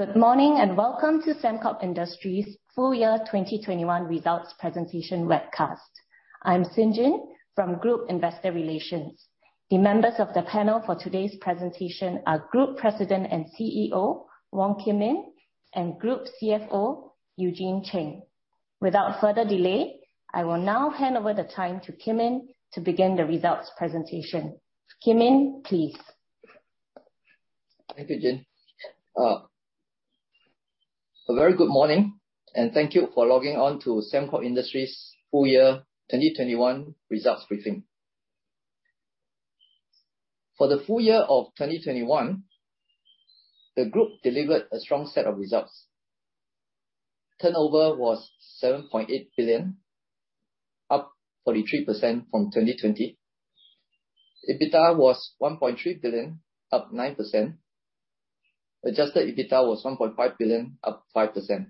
Good morning, and welcome to Sembcorp Industries full year 2021 results presentation webcast. I'm Xin Jin from Group Investor Relations. The members of the panel for today's presentation are Group President and CEO, Wong Kim Yin, and Group CFO, Eugene Cheng. Without further delay, I will now hand over the time to Kim Yin to begin the results presentation. Kim Yin, please. Thank you, Jin. A very good morning, and thank you for logging on to Sembcorp Industries full year 2021 results briefing. For the full year of 2021, the group delivered a strong set of results. Turnover was 7.8 billion, up 43% from 2020. EBITDA was 1.3 billion, up 9%. Adjusted EBITDA was 1.5 billion, up 5%.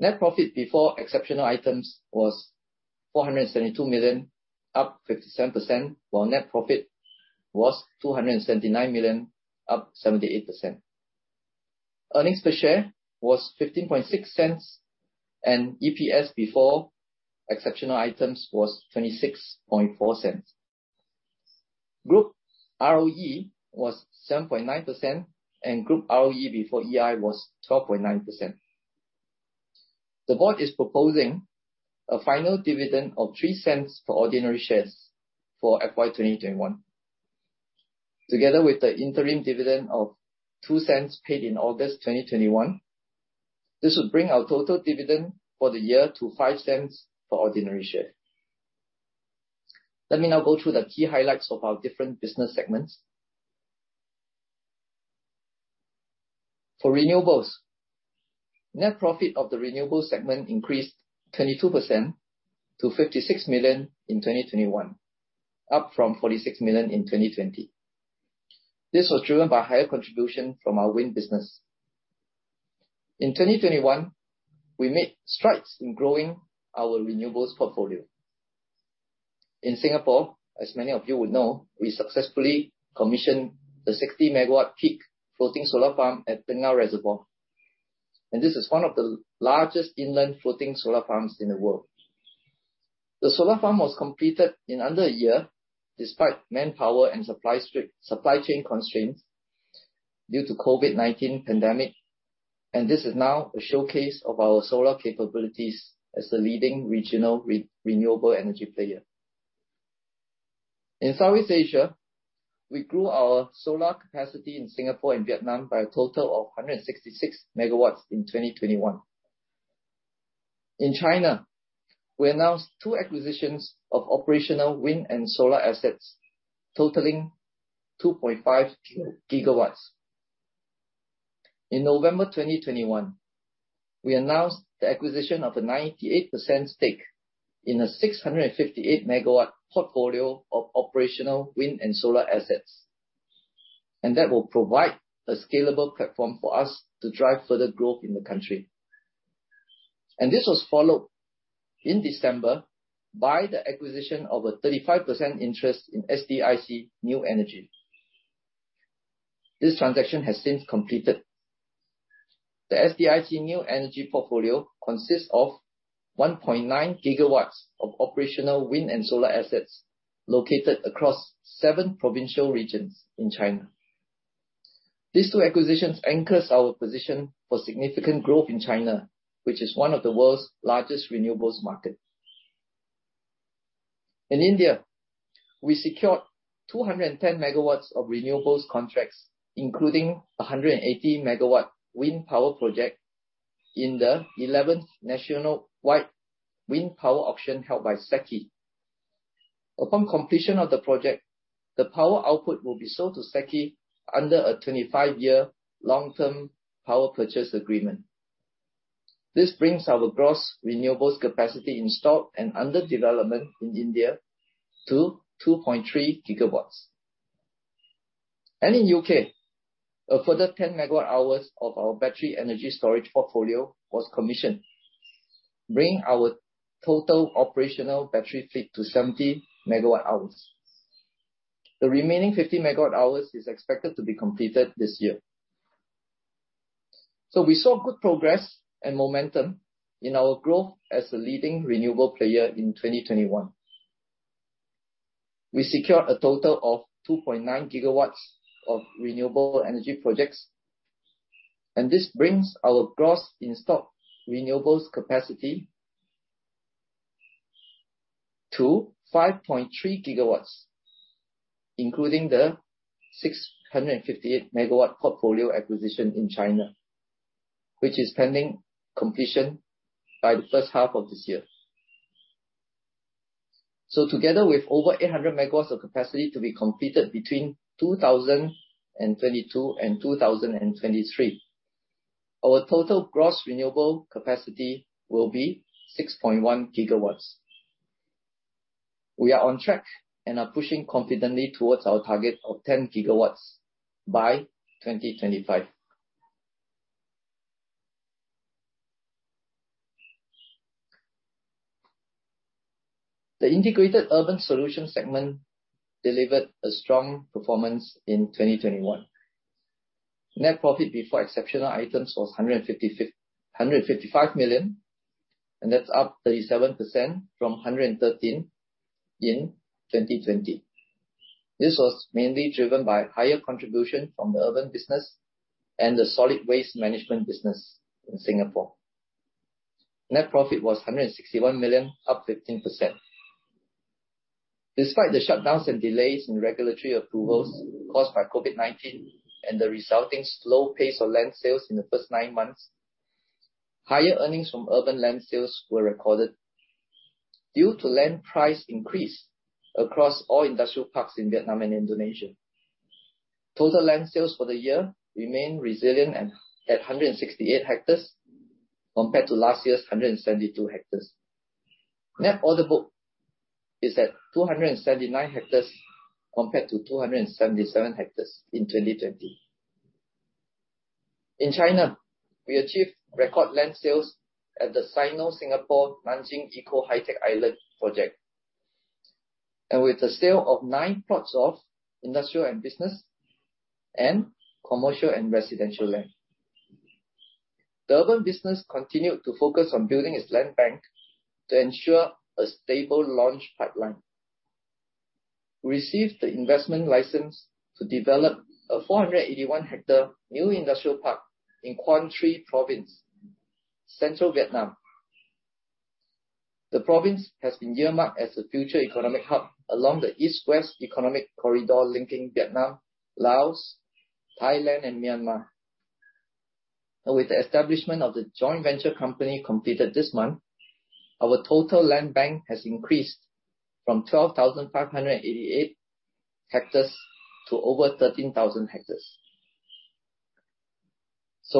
Net profit before exceptional items was 472 million, up 57%, while net profit was 279 million, up 78%. Earnings per share was 0.156, and EPS before exceptional items was 0.264. Group ROE was 7.9%, and group ROE before EI was 12.9%. The board is proposing a final dividend of 0.03 for ordinary shares for FY 2021. Together with the interim dividend of 0.02 paid in August 2021, this will bring our total dividend for the year to 0.05 for ordinary share. Let me now go through the key highlights of our different business segments. For renewables, net profit of the renewables segment increased 22% to 56 million in 2021, up from 46 million in 2020. This was driven by higher contribution from our wind business. In 2021, we made strides in growing our renewables portfolio. In Singapore, as many of you would know, we successfully commissioned the 60-MW-peak floating solar farm at Tengah Reservoir, and this is one of the largest inland floating solar farms in the world. The solar farm was completed in under a year, despite manpower and supply chain constraints due to COVID-19 pandemic, and this is now a showcase of our solar capabilities as a leading regional renewable energy player. In Southeast Asia, we grew our solar capacity in Singapore and Vietnam by a total of 166 MW in 2021. In China, we announced two acquisitions of operational wind and solar assets totaling 2.5 GW. In November 2021, we announced the acquisition of a 98% stake in a 658 MW portfolio of operational wind and solar assets, and that will provide a scalable platform for us to drive further growth in the country. This was followed in December by the acquisition of a 35% interest in SDIC New Energy. This transaction has since completed. The SDIC New Energy portfolio consists of 1.9 GW of operational wind and solar assets located across seven provincial regions in China. These two acquisitions anchors our position for significant growth in China, which is one of the world's largest renewables market. In India, we secured 210 MW of renewables contracts, including a 180 MW wind power project in the eleventh nationwide wind power auction held by SECI. Upon completion of the project, the power output will be sold to SECI under a 25-year long-term power purchase agreement. This brings our gross renewables capacity installed and under development in India to 2.3 GW. In U.K., a further 10 MWh of our battery energy storage portfolio was commissioned, bringing our total operational battery fleet to 70 MWh. The remaining 50 MWh is expected to be completed this year. We saw good progress and momentum in our growth as a leading renewable player in 2021. We secured a total of 2.9 GW of renewable energy projects, and this brings our gross installed renewables capacity to 5.3 GW, including the 658 MW portfolio acquisition in China, which is pending completion by the first half of this year. Together with over 800 MW of capacity to be completed between 2022 and 2023, our total gross renewable capacity will be 6.1 GW. We are on track and are pushing confidently towards our target of 10 GW by 2025. The integrated urban solution segment delivered a strong performance in 2021. Net profit before exceptional items was 155 million, and that's up 37% from 113 million in 2020. This was mainly driven by higher contribution from the urban business and the solid waste management business in Singapore. Net profit was 161 million, up 15%. Despite the shutdowns and delays in regulatory approvals caused by COVID-19 and the resulting slow pace of land sales in the first nine months, higher earnings from urban land sales were recorded due to land price increase across all industrial parks in Vietnam and Indonesia. Total land sales for the year remained resilient at 168 hectares compared to last year's 172 hectares. Net order book is at 279 hectares compared to 277 hectares in 2020. In China, we achieved record land sales at the Sino-Singapore Nanjing Eco-Hi-Tech Island project with the sale of 9 plots of industrial and business and commercial and residential land. The urban business continued to focus on building its land bank to ensure a stable launch pipeline. We received the investment license to develop a 481-hectare new industrial park in Quang Tri Province, central Vietnam. The province has been earmarked as a future economic hub along the East-West Economic Corridor linking Vietnam, Laos, Thailand and Myanmar. Now, with the establishment of the joint venture company completed this month, our total land bank has increased from 12,588 hectares to over 13,000 hectares.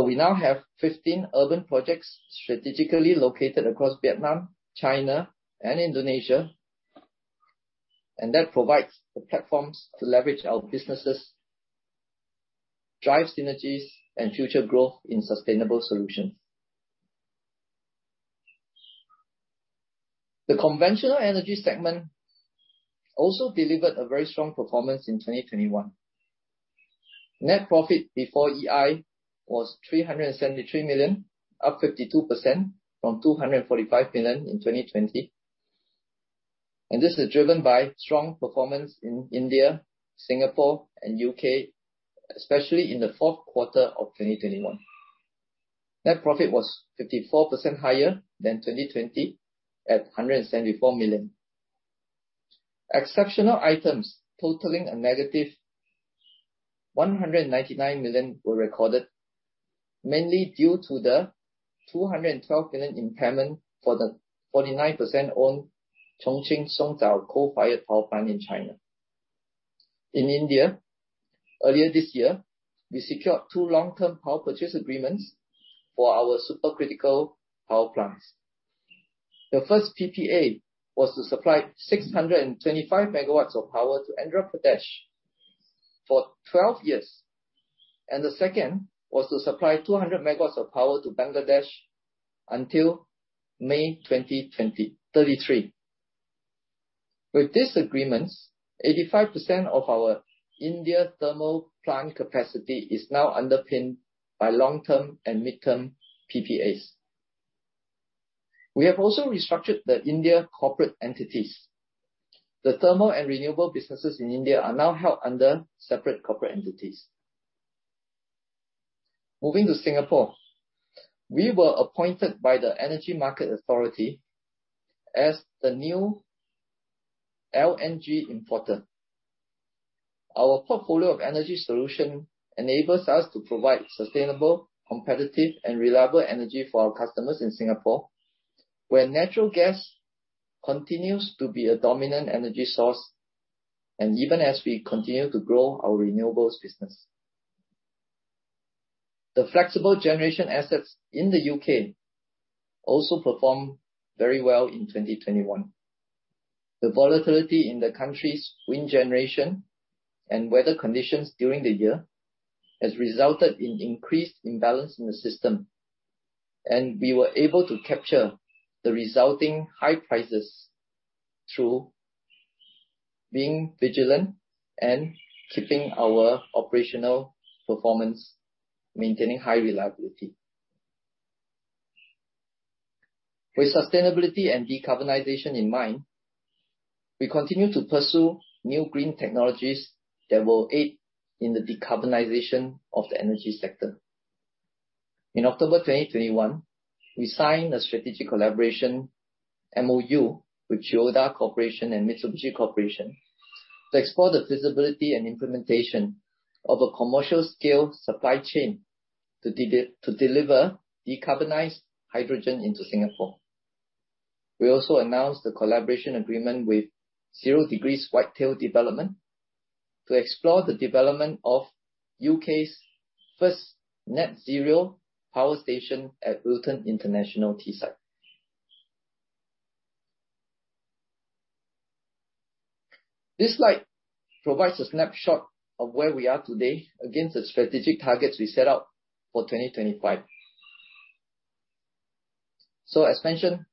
We now have 15 urban projects strategically located across Vietnam, China and Indonesia, and that provides the platforms to leverage our businesses, drive synergies and future growth in sustainable solutions. The conventional energy segment also delivered a very strong performance in 2021. Net profit before EI was 373 million, up 52% from 245 million in 2020. This is driven by strong performance in India, Singapore and UK, especially in the fourth quarter of 2021. Net profit was 54% higher than 2020 at 174 million. Exceptional items totaling a negative 199 million were recorded mainly due to the 212 million impairment for the 49% owned Chongqing Songzao coal-fired power plant in China. In India, earlier this year, we secured two long-term power purchase agreements for our supercritical power plants. The first PPA was to supply 625 MW of power to Andhra Pradesh for 12 years, and the second was to supply 200 MW of power to Bangladesh until May 2033. With these agreements, 85% of our India thermal plant capacity is now underpinned by long-term and mid-term PPAs. We have also restructured the India corporate entities. The thermal and renewable businesses in India are now held under separate corporate entities. Moving to Singapore, we were appointed by the Energy Market Authority as the new LNG importer. Our portfolio of energy solution enables us to provide sustainable, competitive and reliable energy for our customers in Singapore, where natural gas continues to be a dominant energy source, and even as we continue to grow our renewables business. The flexible generation assets in the U.K. also performed very well in 2021. The volatility in the country's wind generation and weather conditions during the year has resulted in increased imbalance in the system, and we were able to capture the resulting high prices through being vigilant and keeping our operational performance, maintaining high reliability. With sustainability and decarbonization in mind, we continue to pursue new green technologies that will aid in the decarbonization of the energy sector. In October 2021, we signed a strategic collaboration MOU with Chiyoda Corporation and Mitsubishi Corporation to explore the feasibility and implementation of a commercial scale supply chain to deliver decarbonized hydrogen into Singapore. We also announced the collaboration agreement with Zero Degrees Whitetail Development to explore the development of U.K.'s first net zero power station at Luton International T-site. This slide provides a snapshot of where we are today against the strategic targets we set out for 2025. As mentioned,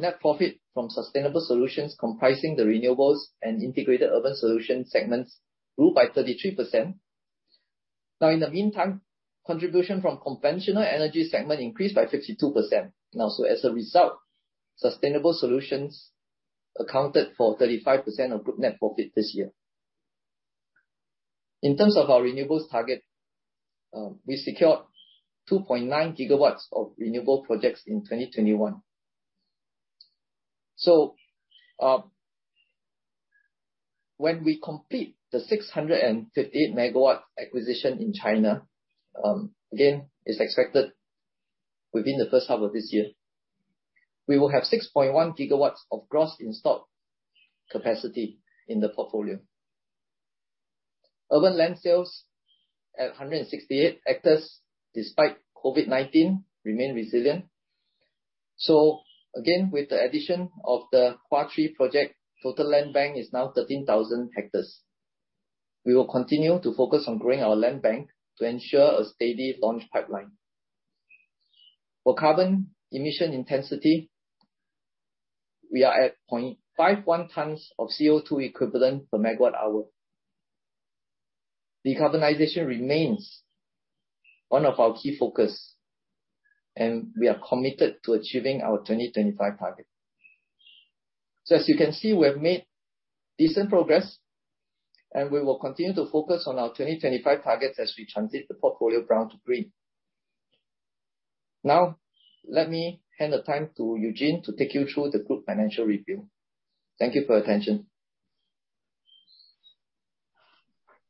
net profit from Sustainable Solutions comprising the Renewables and Integrated Urban Solutions segments grew by 33%. Now, in the meantime, contribution from Conventional Energy segment increased by 52%. Now, as a result, Sustainable Solutions accounted for 35% of Group net profit this year. In terms of our Renewables target, we secured 2.9 GW of renewable projects in 2021. When we complete the 658 MW acquisition in China, again, it's expected within the first half of this year. We will have 6.1 GW of gross installed capacity in the portfolio. Urban land sales at 168 hectares, despite COVID-19, remain resilient. Again, with the addition of the Hwa Chi project, total land bank is now 13,000 hectares. We will continue to focus on growing our land bank to ensure a steady launch pipeline. For carbon emission intensity, we are at 0.51 tons of CO₂ equivalent per MWh. Decarbonization remains one of our key focus, and we are committed to achieving our 2025 target. As you can see, we have made decent progress, and we will continue to focus on our 2025 targets as we transition the portfolio brown to green. Now, let me hand over to Eugene to take you through the group financial review. Thank you for your attention.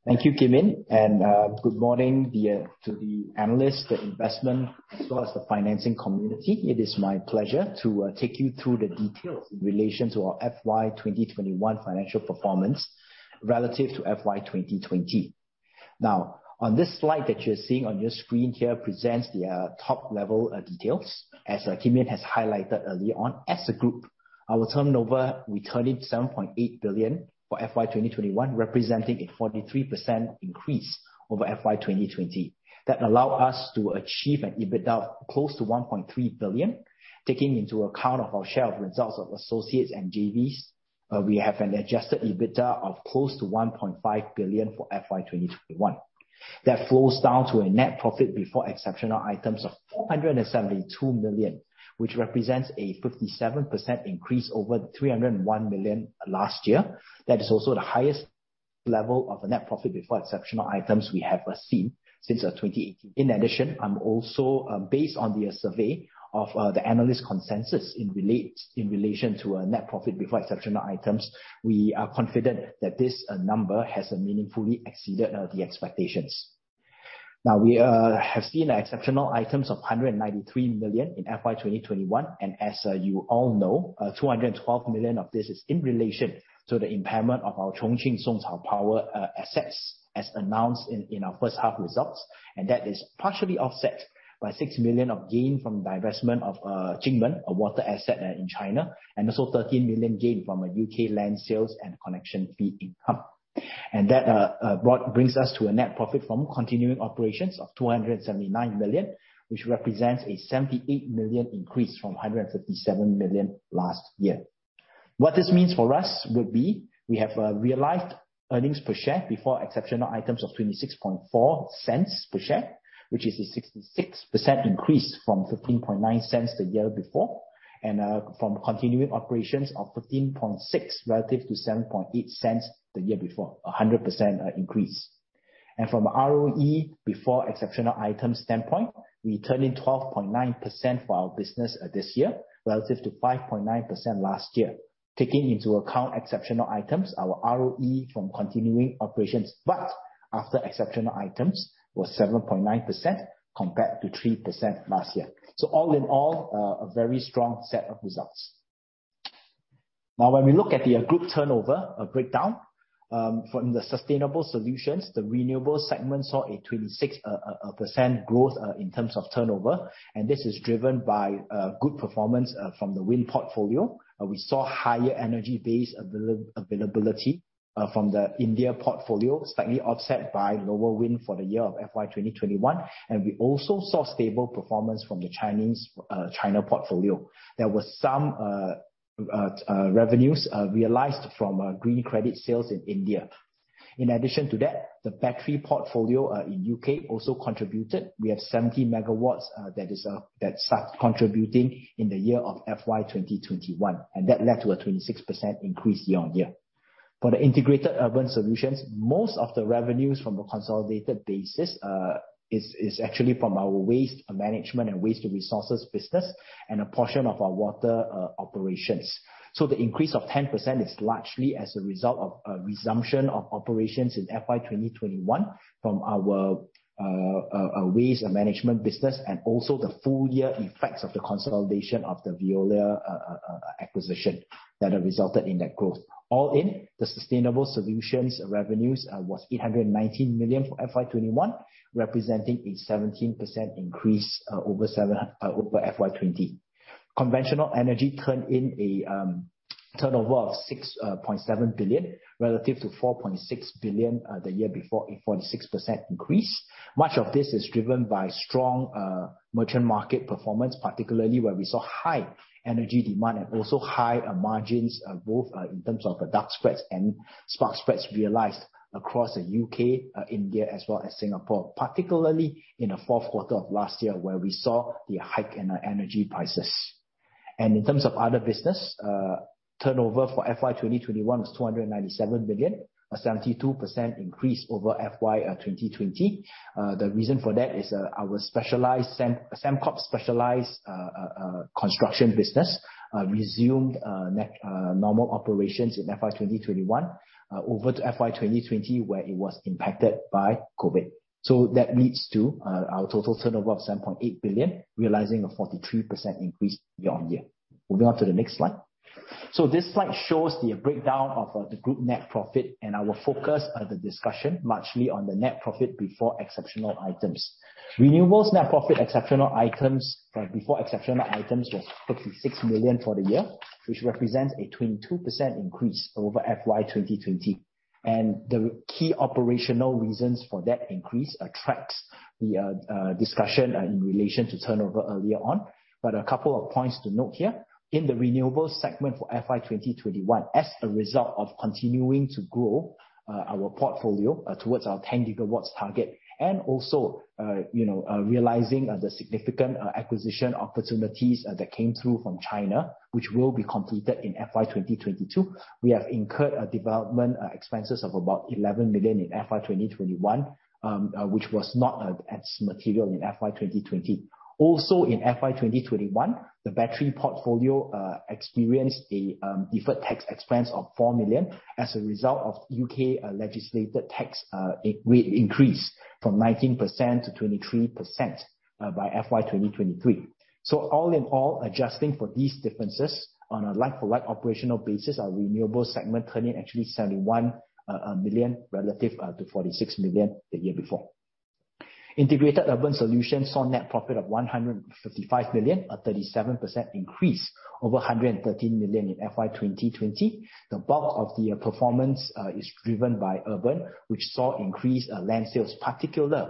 Thank you, Kim Yin, and good morning to the analysts, the investment, as well as the financing community. It is my pleasure to take you through the details in relation to our FY 2021 financial performance relative to FY 2020. Now, on this slide that you're seeing on your screen here presents the top-level details. As Kim Yin has highlighted early on, as a group, our turnover, we turned in 7.8 billion for FY 2021, representing a 43% increase over FY 2020. That allow us to achieve an EBITDA close to 1.3 billion. Taking into account of our share of results of associates and JVs, we have an adjusted EBITDA of close to 1.5 billion for FY 2021. That flows down to a net profit before exceptional items of 472 million, which represents a 57% increase over the 301 million last year. That is also the highest level of net profit before exceptional items we have seen since 2018. In addition, based on the survey of the analyst consensus in relation to our net profit before exceptional items, we are confident that this number has meaningfully exceeded the expectations. Now, we have seen exceptional items of 193 million in FY 2021, and as you all know, 212 million of this is in relation to the impairment of our Chongqing Songzao Sembcorp Electric Power assets as announced in our first half results. That is partially offset by 6 million of gain from the divestment of Jingmen, a water asset, in China, and also 13 million gain from a U.K. land sales and connection fee income. That brings us to a net profit from continuing operations of 279 million, which represents a 78 million increase from 157 million last year. What this means for us would be we have realized earnings per share before exceptional items of 26.4 cents per share, which is a 66% increase from 15.9 cents the year before. From continuing operations of 15.6 relative to 7.8 cents the year before, a 100% increase. From ROE before exceptional items standpoint, we turned in 12.9% for our business this year relative to 5.9% last year. Taking into account exceptional items, our ROE from continuing operations, but after exceptional items, was 7.9% compared to 3% last year. All in all, a very strong set of results. Now, when we look at the group turnover breakdown from the Sustainable Solutions, the Renewables segment saw a 26% growth in terms of turnover, and this is driven by good performance from the wind portfolio. We saw higher energy base availability from the India portfolio, slightly offset by lower wind for the year of FY 2021. We also saw stable performance from the Chinese China portfolio. There were some revenues realized from green credit sales in India. In addition to that, the battery portfolio in U.K. also contributed. We have 70 MW that start contributing in the year of FY 2021, and that led to a 26% increase year-on-year. For the integrated urban solutions, most of the revenues from the consolidated basis is actually from our waste management and waste resources business and a portion of our water operations. The increase of 10% is largely as a result of a resumption of operations in FY 2021 from our waste management business and also the full year effects of the consolidation of the Veolia acquisition that have resulted in that growth. All in, the sustainable solutions revenues was 819 million for FY 2021, representing a 17% increase over FY 2020. Conventional energy turned in a turnover of 6.7 billion relative to 4.6 billion the year before, a 46% increase. Much of this is driven by strong merchant market performance, particularly where we saw high energy demand and also high margins both in terms of the dark spreads and spark spreads realized across the U.K., India as well as Singapore, particularly in the fourth quarter of last year where we saw the hike in energy prices. In terms of other business, turnover for FY 2021 was 297 billion, a 72% increase over FY 2020. The reason for that is our specialized Sembcorp's specialized construction business resumed normal operations in FY 2021 over to FY 2020, where it was impacted by COVID. That leads to our total turnover of 7.8 billion, realizing a 43% increase year-on-year. Moving on to the next slide. This slide shows the breakdown of the group net profit, and I will focus the discussion largely on the net profit before exceptional items. Renewables net profit before exceptional items was 56 million for the year, which represents a 22% increase over FY 2020. The key operational reasons for that increase attracts the discussion in relation to turnover earlier on. A couple of points to note here. In the Renewables segment for FY 2021, as a result of continuing to grow our portfolio towards our 10 GW target and also you know realizing the significant acquisition opportunities that came through from China, which will be completed in FY 2022. We have incurred development expenses of about 11 million in FY 2021, which was not as material in FY 2020. Also in FY 2021, the battery portfolio experienced a deferred tax expense of 4 million as a result of U.K. legislated tax increase from 19% to 23% by FY 2023. All in all, adjusting for these differences on a like-for-like operational basis, our Renewables segment turned in actually 71 million relative to 46 million the year before. Integrated Urban Solutions saw net profit of 155 million, a 37% increase over 113 million in FY 2020. The bulk of the performance is driven by Urban, which saw increased land sales, particularly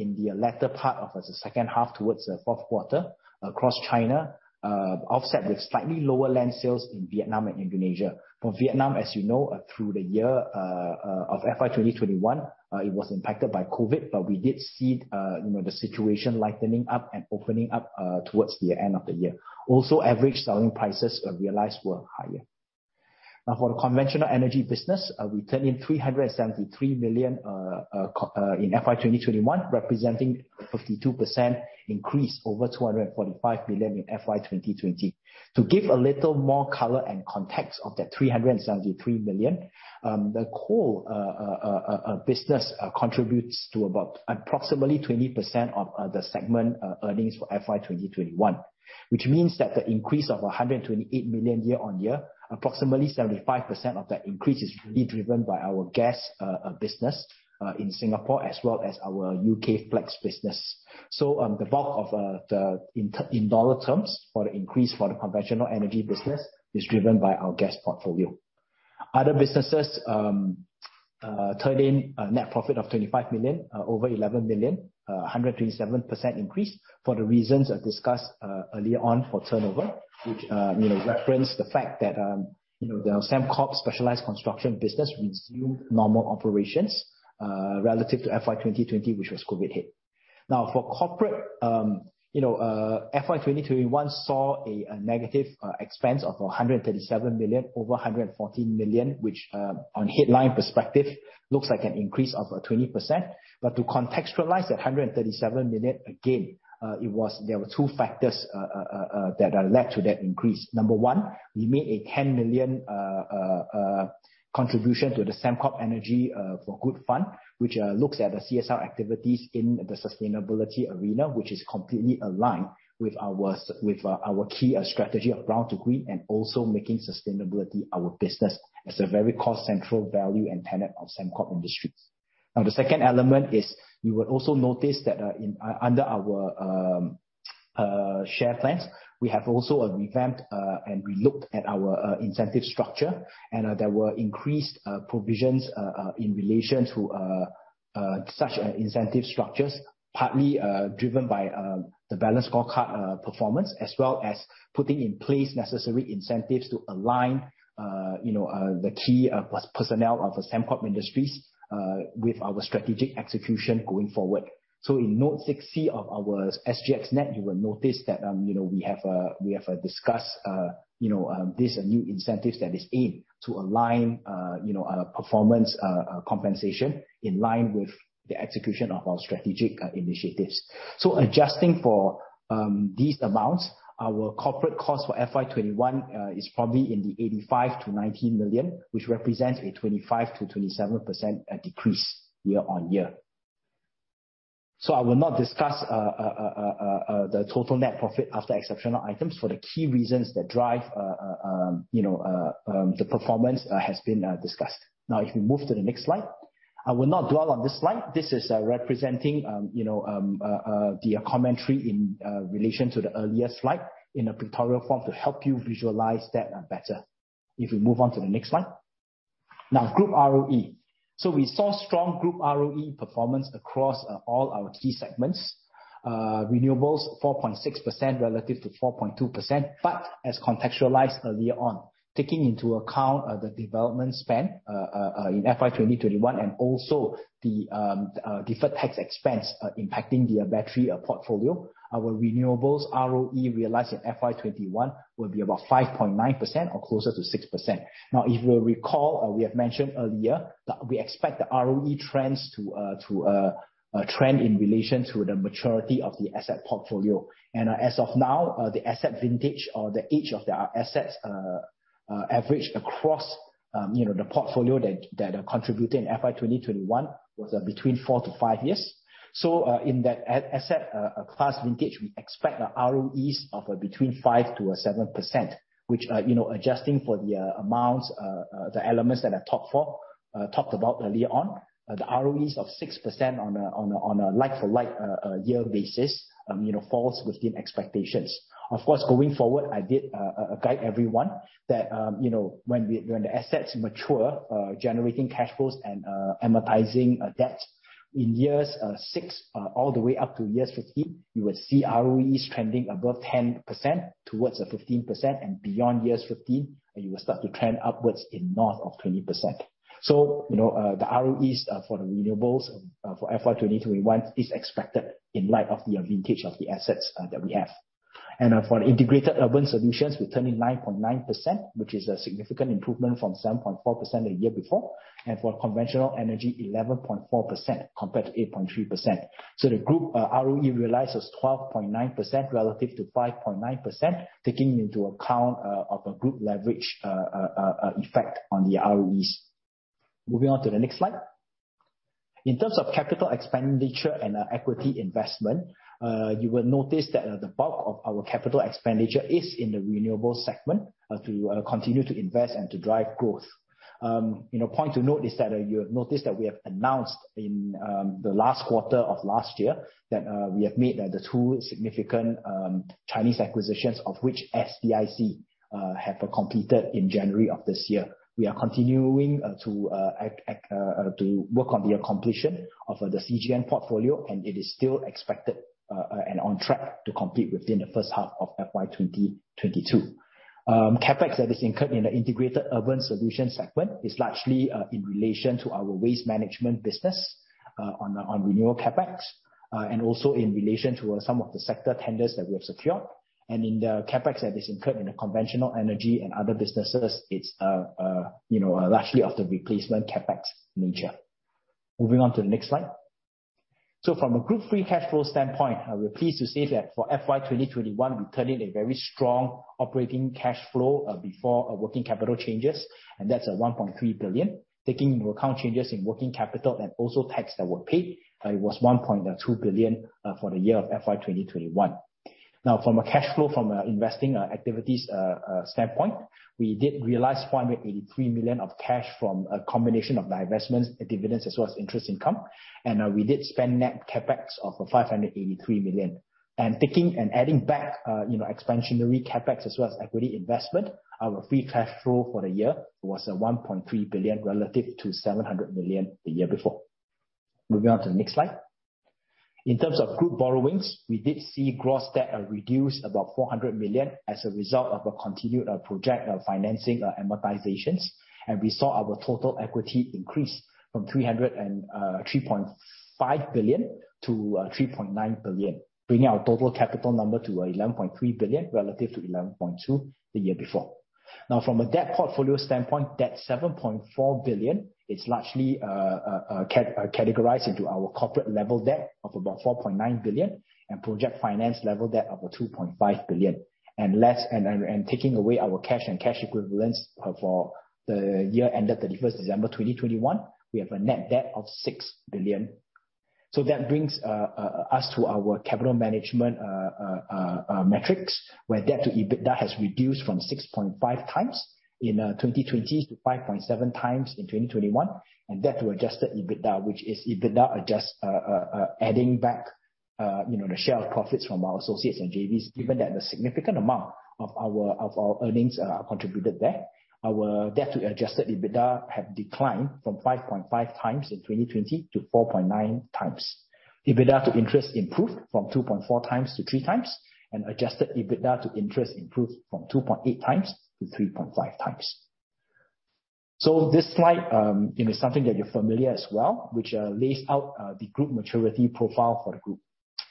in the latter part of the second half towards the fourth quarter across China, offset with slightly lower land sales in Vietnam and Indonesia. For Vietnam, as you know, through the year of FY 2021, it was impacted by COVID, but we did see, you know, the situation lightening up and opening up towards the end of the year. Also, average selling prices realized were higher. Now, for the Conventional Energy business, we turned in 373 million in FY 2021, representing 52% increase over 245 million in FY 2020. To give a little more color and context of that 373 million, the coal business contributes to about approximately 20% of the segment earnings for FY 2021. Which means that the increase of 128 million year-on-year, approximately 75% of that increase is really driven by our gas business in Singapore as well as our UK Flex business. The bulk of the increase, in dollar terms, for the Conventional Energy business is driven by our gas portfolio. Other businesses turned in a net profit of 25 million, over 11 million, a 127% increase for the reasons I discussed earlier on for turnover, which you know references the fact that you know the Sembcorp specialized construction business resumed normal operations relative to FY 2020, which was COVID hit. Now, for corporate, you know FY 2021 saw a negative expense of 137 million, over 114 million, which on headline perspective looks like an increase of 20%. To contextualize that 137 million, again there were two factors that led to that increase. Number one, we made a 10 million contribution to the Sembcorp Energy for Good Fund, which looks at the CSR activities in the sustainability arena, which is completely aligned with our with our key strategy of brown to green, and also making sustainability our business as a very core central value and tenet of Sembcorp Industries. Now, the second element is you would also notice that under our share plans, we have also revamped and relooked at our incentive structure. There were increased provisions in relation to such incentive structures, partly driven by the balanced scorecard performance, as well as putting in place necessary incentives to align you know the key personnel of Sembcorp Industries with our strategic execution going forward. In note 6C of our SGXNet, you will notice that, you know, we have discussed, you know, this new incentives that is aimed to align, you know, our performance compensation in line with the execution of our strategic initiatives. Adjusting for these amounts, our corporate cost for FY 2021 is probably in the 85-90 million, which represents a 25%-27% decrease year-on-year. I will not discuss the total net profit after exceptional items for the key reasons that drive, you know, the performance has been discussed. Now, if we move to the next slide. I will not dwell on this slide. This is representing, you know, the commentary in relation to the earlier slide in a pictorial form to help you visualize that better. If we move on to the next slide. Now group ROE. We saw strong group ROE performance across all our key segments. Renewables 4.6% relative to 4.2%. As contextualized earlier on, taking into account the development spend in FY 2021 and also the deferred tax expense impacting the battery portfolio. Our renewables ROE realized in FY 2021 will be about 5.9% or closer to 6%. Now, if you'll recall, we have mentioned earlier that we expect the ROE trends to trend in relation to the maturity of the asset portfolio. As of now, the asset vintage or the age of our assets, average across, you know, the portfolio that contributed in FY 2021 was between four to five years. In that asset class vintage, we expect ROEs of between 5%-7%, which, you know, adjusting for the amounts, the elements that I talked about earlier on. The ROEs of 6% on a like for like year basis, you know, falls within expectations. Of course, going forward, I did guide everyone that, you know, when the assets mature, generating cash flows and, amortizing debt in years six, all the way up to years 15, you will see ROEs trending above 10% towards a 15%. Beyond years 15, you will start to trend upwards in north of 20%. You know, the ROEs for the renewables, for FY 2021 is expected in light of the vintage of the assets, that we have. For integrated urban solutions, we turn in 9.9%, which is a significant improvement from 7.4% the year before. For conventional energy, 11.4% compared to 8.3%. The group ROE realized was 12.9% relative to 5.9%, taking into account of a group leverage effect on the ROEs. Moving on to the next slide. In terms of capital expenditure and equity investment, you will notice that the bulk of our capital expenditure is in the renewable segment to continue to invest and to drive growth. You know, point to note is that you have noticed that we have announced in the last quarter of last year that we have made the two significant Chinese acquisitions of which SDIC have completed in January of this year. We are continuing to work on the completion of the CGN portfolio. It is still expected and on track to complete within the first half of FY 2022. CapEx that is incurred in the integrated urban solution segment is largely in relation to our waste management business on renewal CapEx and also in relation to some of the sector tenders that we have secured. In the CapEx that is incurred in the conventional energy and other businesses, it's you know, largely of the replacement CapEx nature. Moving on to the next slide. From a group free cash flow standpoint, we're pleased to say that for FY 2021, we turned in a very strong operating cash flow before working capital changes, and that's 1.3 billion. Taking into account changes in working capital and also tax that were paid, it was 1.2 billion for the year of FY 2021. Now, from a cash flow from investing activities standpoint, we did realize 483 million of cash from a combination of divestments, dividends, as well as interest income. We did spend net CapEx of 583 million. Taking and adding back, you know, expansionary CapEx as well as equity investment. Our free cash flow for the year was 1.3 billion relative to 700 million the year before. Moving on to the next slide. In terms of group borrowings, we did see gross debt reduce about 400 million as a result of a continued project financing amortizations. We saw our total equity increase from 3.035-3.9 billion, bringing our total capital number to 11.3 billion relative to 11.2 billion the year before. Now, from a debt portfolio standpoint, debt 7.4 billion is largely categorized into our corporate level debt of about 4.9 billion and project finance level debt of 2.5 billion. Taking away our cash and cash equivalents for the year ended 31st December 2021, we have a net debt of 6 billion. That brings us to our capital management metrics, where debt to EBITDA has reduced from 6.5x in 2020 to 5.7x in 2021. Debt to adjusted EBITDA, which is EBITDA adjusted, adding back you know the share of profits from our associates and JVs. Given that a significant amount of our earnings are contributed there. Our debt to adjusted EBITDA have declined from 5.5x in 2020 to 4.9x. EBITDA to interest improved from 2.4x-3x. Adjusted EBITDA to interest improved from 2.8x-3.5x. This slide is something that you're familiar with as well, which lays out the group maturity profile for the group.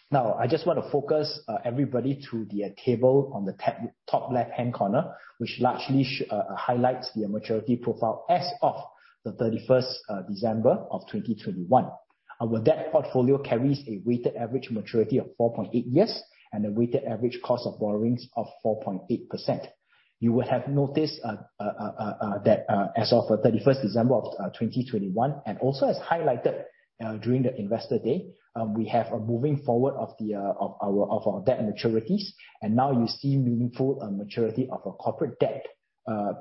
Now, I just want to focus everybody to the table on the top left-hand corner, which largely highlights the maturity profile as of the 31st December of 2021. Our debt portfolio carries a weighted average maturity of 4.8 years and a weighted average cost of borrowings of 4.8%. You will have noticed that as of December 31st, 2021, and also as highlighted during the investor day, we have a moving forward of our debt maturities. Now you see meaningful maturity of corporate debt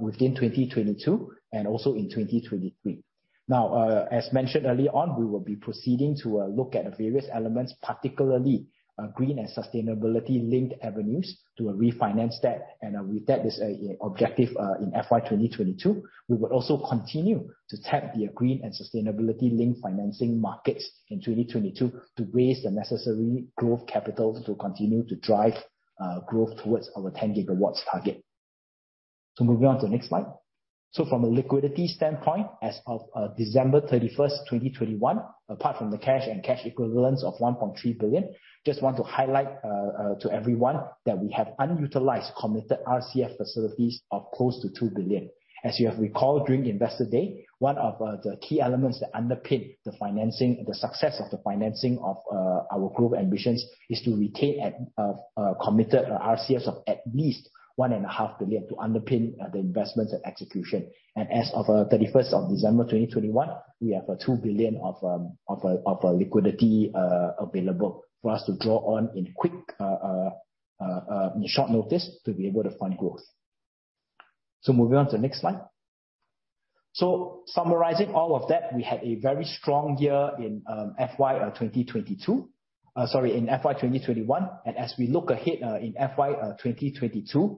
within 2022 and also in 2023. Now, as mentioned early on, we will be proceeding to look at the various elements, particularly green and sustainability-linked avenues to refinance that. With that is an objective in FY 2022. We will also continue to tap the green and sustainability linked financing markets in 2022 to raise the necessary growth capital to continue to drive growth towards our 10 GW target. Moving on to the next slide. From a liquidity standpoint, as of December 31st, 2021, apart from the cash and cash equivalents of 1.3 billion, just want to highlight to everyone that we have unutilized committed RCF facilities of close to 2 billion. As you have recalled during Investor Day, one of the key elements that underpin the financing, the success of the financing of our group ambitions is to retain committed RCFs of at least 1.5 billion to underpin the investments and execution. As of 31st of December 2021, we have 2 billion of liquidity available for us to draw on in quick short notice to be able to fund growth. Moving on to the next slide. Summarizing all of that, we had a very strong year in FY 2022. Sorry, in FY 2021. As we look ahead in FY 2022, you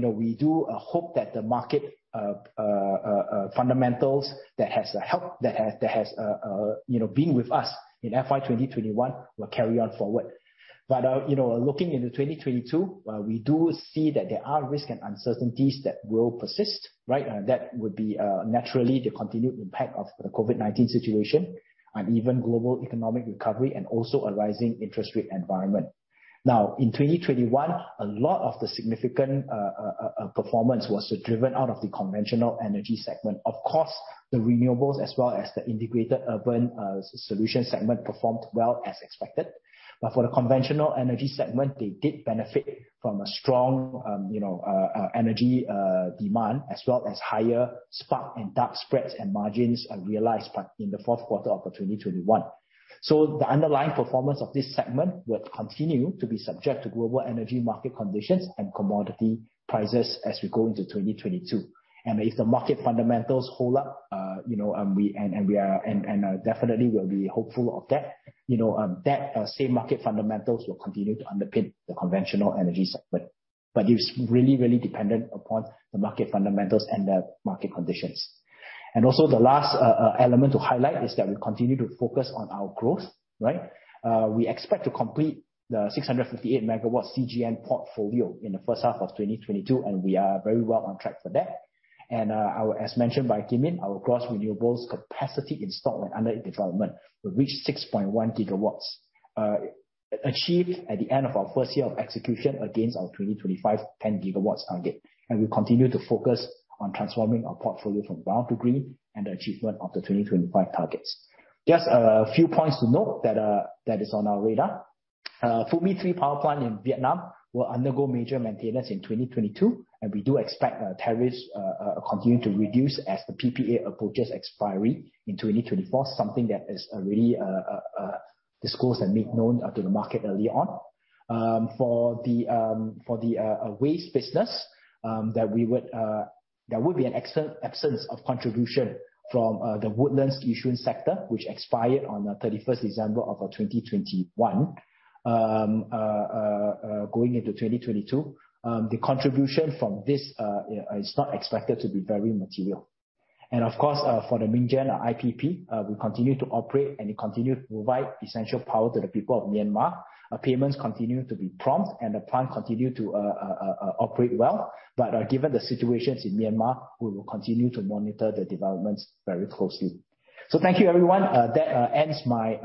know, we do hope that the market fundamentals that has helped that has been with us in FY 2021 will carry on forward. You know, looking into 2022, we do see that there are risks and uncertainties that will persist, right? That would be naturally the continued impact of the COVID-19 situation on even global economic recovery and also a rising interest rate environment. Now, in 2021, a lot of the significant performance was driven out of the Conventional Energy segment. Of course, the Renewables as well as the Integrated Urban Solution segment performed well as expected. For the Conventional Energy segment, they did benefit from a strong you know energy demand as well as higher spark and dark spreads and margins are realized by in the fourth quarter of 2021. The underlying performance of this segment will continue to be subject to global energy market conditions and commodity prices as we go into 2022. If the market fundamentals hold up you know we We are definitely we'll be hopeful of that. You know, that same market fundamentals will continue to underpin the conventional energy segment. It's really, really dependent upon the market fundamentals and the market conditions. Also the last element to highlight is that we continue to focus on our growth, right? We expect to complete the 658-MW CGN portfolio in the first half of 2022, and we are very well on track for that. As mentioned by Kim Yin, our gross renewables capacity installed and under development will reach 6.1 GW, achieved at the end of our first year of execution against our 2025 10-GW target. We continue to focus on transforming our portfolio from brown to green and the achievement of the 2025 targets. Just a few points to note that is on our radar. Phu My 3 power plant in Vietnam will undergo major maintenance in 2022, and we do expect tariffs continuing to reduce as the PPA approaches expiry in 2024, something that is already disclosed and made known to the market early on. For the waste business, there would be an absence of contribution from the Woodlands-Yishun sector, which expired on 31st December of 2021. Going into 2022, the contribution from this is not expected to be very material. Of course, for the Myingyan IPP, we continue to operate and we continue to provide essential power to the people of Myanmar. Payments continue to be prompt, and the plant continue to operate well. Given the situations in Myanmar, we will continue to monitor the developments very closely. Thank you, everyone. That ends my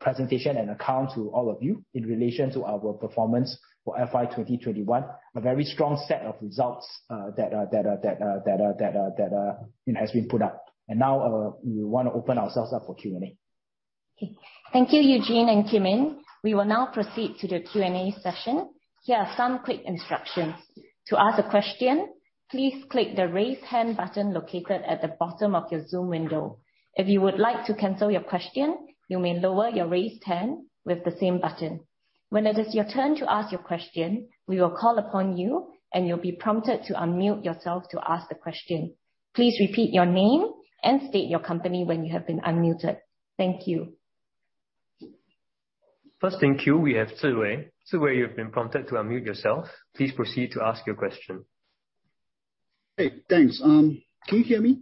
presentation and account to all of you in relation to our performance for FY 2021. A very strong set of results that you know has been put up. Now we wanna open ourselves up for Q&A. Okay. Thank you, Eugene and Kim Yin. We will now proceed to the Q&A session. Here are some quick instructions. To ask a question, please click the Raise Hand button located at the bottom of your Zoom window. If you would like to cancel your question, you may lower your raised hand with the same button. When it is your turn to ask your question, we will call upon you, and you'll be prompted to unmute yourself to ask the question. Please repeat your name and state your company when you have been unmuted. Thank you. First in queue, we have Zhiwei. Zhiwei, you've been prompted to unmute yourself. Please proceed to ask your question. Hey, thanks. Can you hear me?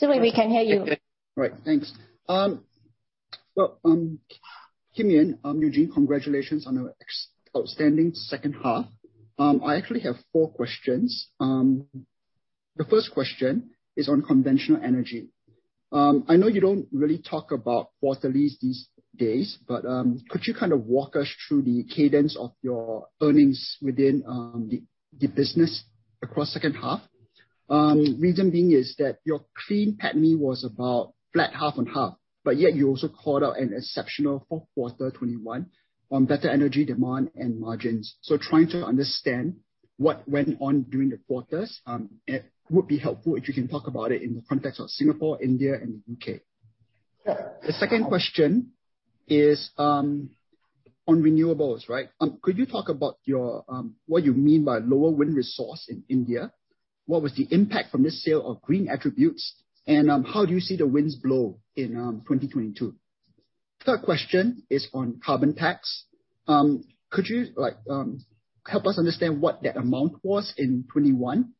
Zhiwei, we can hear you. Right. Thanks. Well, Kim Yin, Eugene, congratulations on an outstanding second half. I actually have four questions. The first question is on conventional energy. I know you don't really talk about quarterlies these days, but could you kind of walk us through the cadence of your earnings within the business across second half? Reason being is that your clean PATMI was about flat half on half, but yet you also called out an exceptional 4Q 2021 on better energy demand and margins. Trying to understand what went on during the quarters, it would be helpful if you can talk about it in the context of Singapore, India, and the U.K. Sure. The second question is, On renewables, right? Could you talk about your, what you mean by lower wind resource in India? What was the impact from this sale of green attributes, and, how do you see the winds blow in 2022? Third question is on carbon tax. Could you like, help us understand what that amount was in 2021?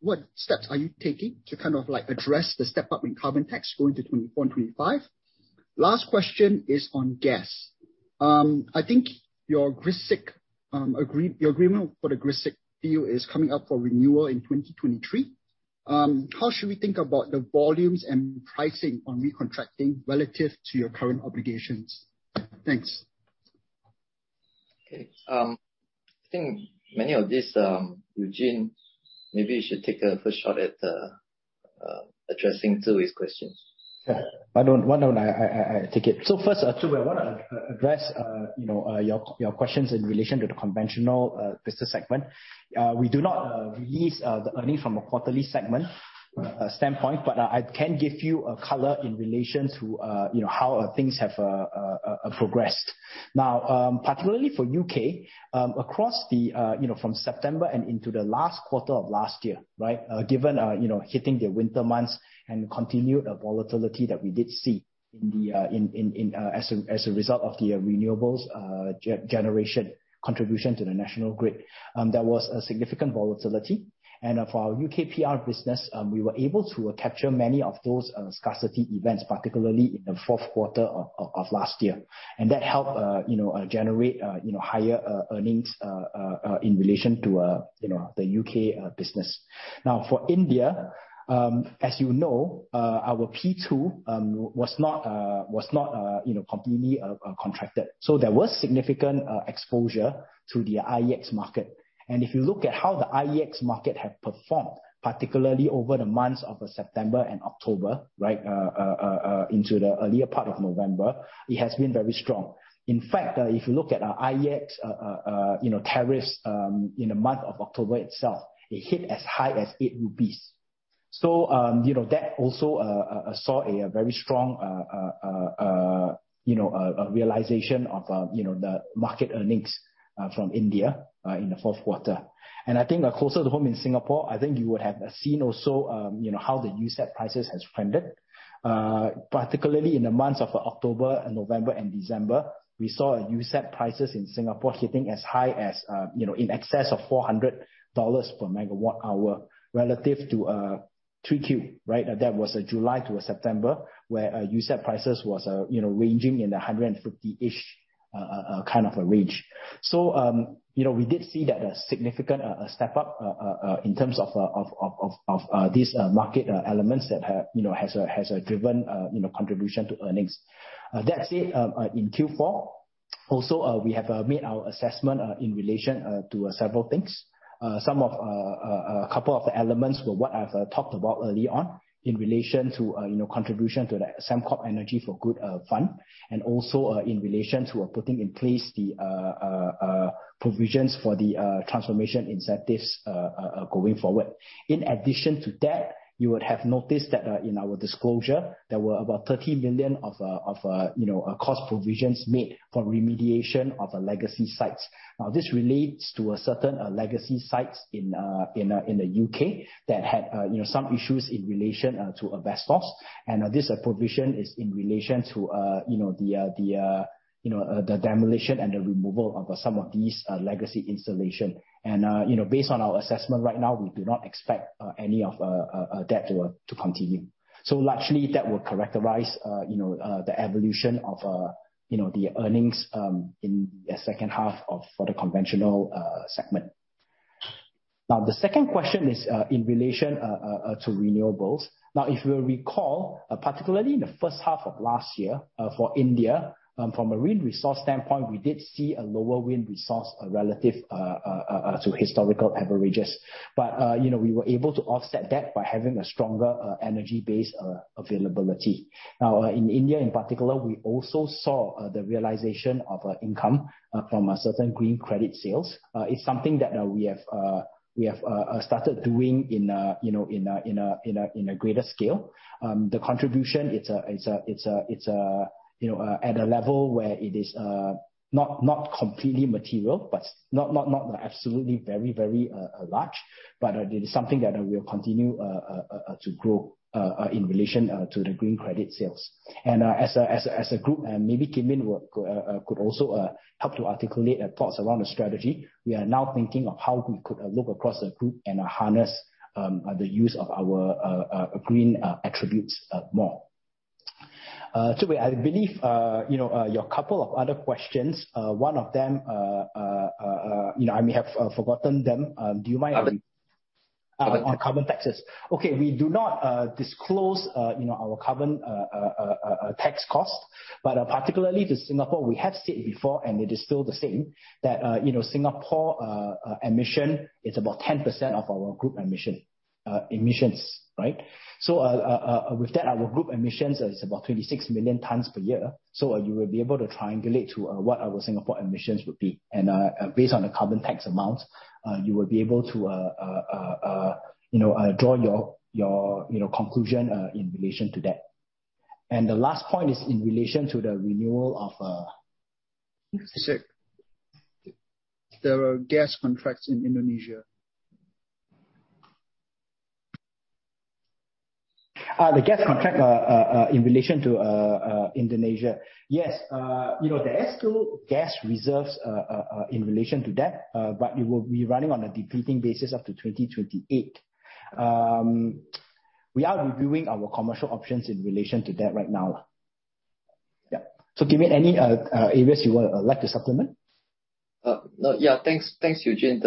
What steps are you taking to kind of like address the step-up in carbon tax going to 2024 and 2025? Last question is on gas. I think your Grissik, your agreement for the Grissik deal is coming up for renewal in 2023. How should we think about the volumes and pricing on recontracting relative to your current obligations? Thanks. Okay. I think many of these, Eugene, maybe you should take a first shot at addressing two of these questions. Why don't I take it? First, to address you know your questions in relation to the conventional business segment. We do not release the earnings from a quarterly segment standpoint, but I can give you a color in relation to you know how things have progressed. Now, particularly for U.K., across the you know from September and into the last quarter of last year, right? Given you know hitting the winter months and continued volatility that we did see in the as a result of the renewables generation contribution to the national grid, there was a significant volatility. For our U.K. flexible generation, we were able to capture many of those scarcity events, particularly in the fourth quarter of last year. That helped you know generate you know higher earnings in relation to you know the U.K. business. Now, for India, as you know, our P2 was not you know completely contracted. There was significant exposure to the IEX market. If you look at how the IEX market had performed, particularly over the months of September and October, right, into the earlier part of November, it has been very strong. In fact, if you look at our IEX, you know, tariffs in the month of October itself, it hit as high as 8 rupees. You know, that also saw a very strong, you know, realization of, you know, the market earnings from India in the fourth quarter. I think closer to home in Singapore, I think you would have seen also, you know, how the USEP prices has trended. Particularly in the months of October and November and December, we saw USEP prices in Singapore hitting as high as, you know, in excess of $400 per MWh relative to 3Q, right? That was July to September, where USEP prices was, you know, ranging in the 150-ish kind of a range. You know, we did see that a significant step-up in terms of these market elements that have, you know, has driven contribution to earnings. That said, in Q4 also, we have made our assessment in relation to several things. Some couple of elements were what I've talked about early on in relation to, you know, contribution to the Sembcorp Energy for Good Fund, and also in relation to putting in place the provisions for the transformation incentives going forward. In addition to that, you would have noticed that in our disclosure, there were about 30 million of cost provisions made for remediation of legacy sites. This relates to certain legacy sites in the U.K. that had, you know, some issues in relation to asbestos. This provision is in relation to, you know, the demolition and the removal of some of these legacy installation. You know, based on our assessment right now, we do not expect any of that to continue. Largely, that will characterize, you know, the evolution of, you know, the earnings in the second half for the conventional segment. Now, the second question is in relation to renewables. Now, if you recall, particularly in the first half of last year, for India, from a wind resource standpoint, we did see a lower wind resource relative to historical averages. You know, we were able to offset that by having a stronger energy-based availability. Now, in India in particular, we also saw the realization of income from a certain green credit sales. It's something that we have started doing, you know, in a greater scale. The contribution, it's a you know at a level where it is not completely material, but not absolutely very large, but it is something that we'll continue to grow in relation to the green credit sales. As a group, and maybe Kimin could also help to articulate thoughts around the strategy. We are now thinking of how we could look across the group and harness the use of our green attributes more. I believe you know your couple of other questions, one of them you know I may have forgotten them. Do you mind- Carbon. On carbon taxes. Okay. We do not disclose, you know, our carbon tax cost, but particularly to Singapore, we have said before, and it is still the same, that you know Singapore emissions is about 10% of our group emissions, right? With that, our group emissions is about 36 million tons per year. You will be able to triangulate to what our Singapore emissions would be. Based on the carbon tax amount, you will be able to you know draw your you know conclusion in relation to that. The last point is in relation to the renewal of. Grissik. There are gas contracts in Indonesia. The gas contract in relation to Indonesia. Yes. You know, there's still gas reserves in relation to that, but we will be running on a depleting basis up to 2028. We are reviewing our commercial options in relation to that right now. Yeah. Wong Kim Yin, any areas you would like to supplement? No. Yeah. Thanks, Eugene.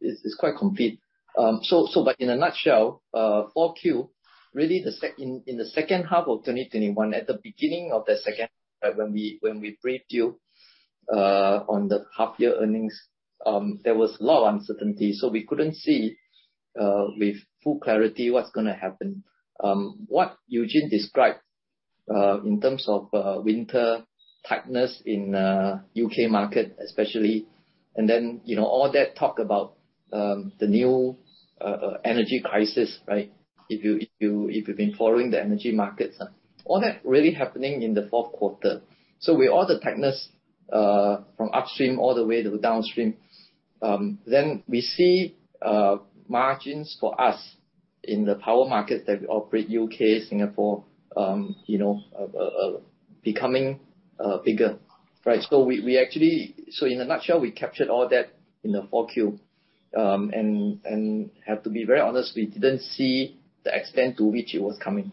It's quite complete. But in a nutshell, 4Q, really the second half of 2021, at the beginning of the second half, when we briefed you on the half year earnings, there was a lot of uncertainty, so we couldn't see with full clarity what's gonna happen. What Eugene described in terms of winter tightness in the U.K. market especially, and then, you know, all that talk about the new energy crisis, right? If you've been following the energy markets, all that really happening in the fourth quarter. With all the tightness from upstream all the way to downstream, then we see margins for us in the power market that we operate, U.K., Singapore, you know, becoming bigger, right? In a nutshell, we captured all that in the 4Q and have to be very honest, we didn't see the extent to which it was coming,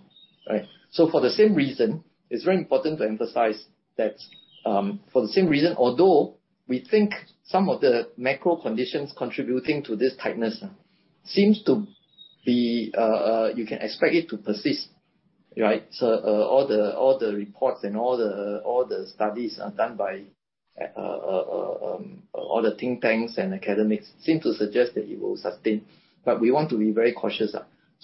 right? For the same reason, it's very important to emphasize that, for the same reason, although we think some of the macro conditions contributing to this tightness seems to be, you can expect it to persist, right? All the reports and all the studies are done by all the think tanks and academics seem to suggest that it will sustain. We want to be very cautious.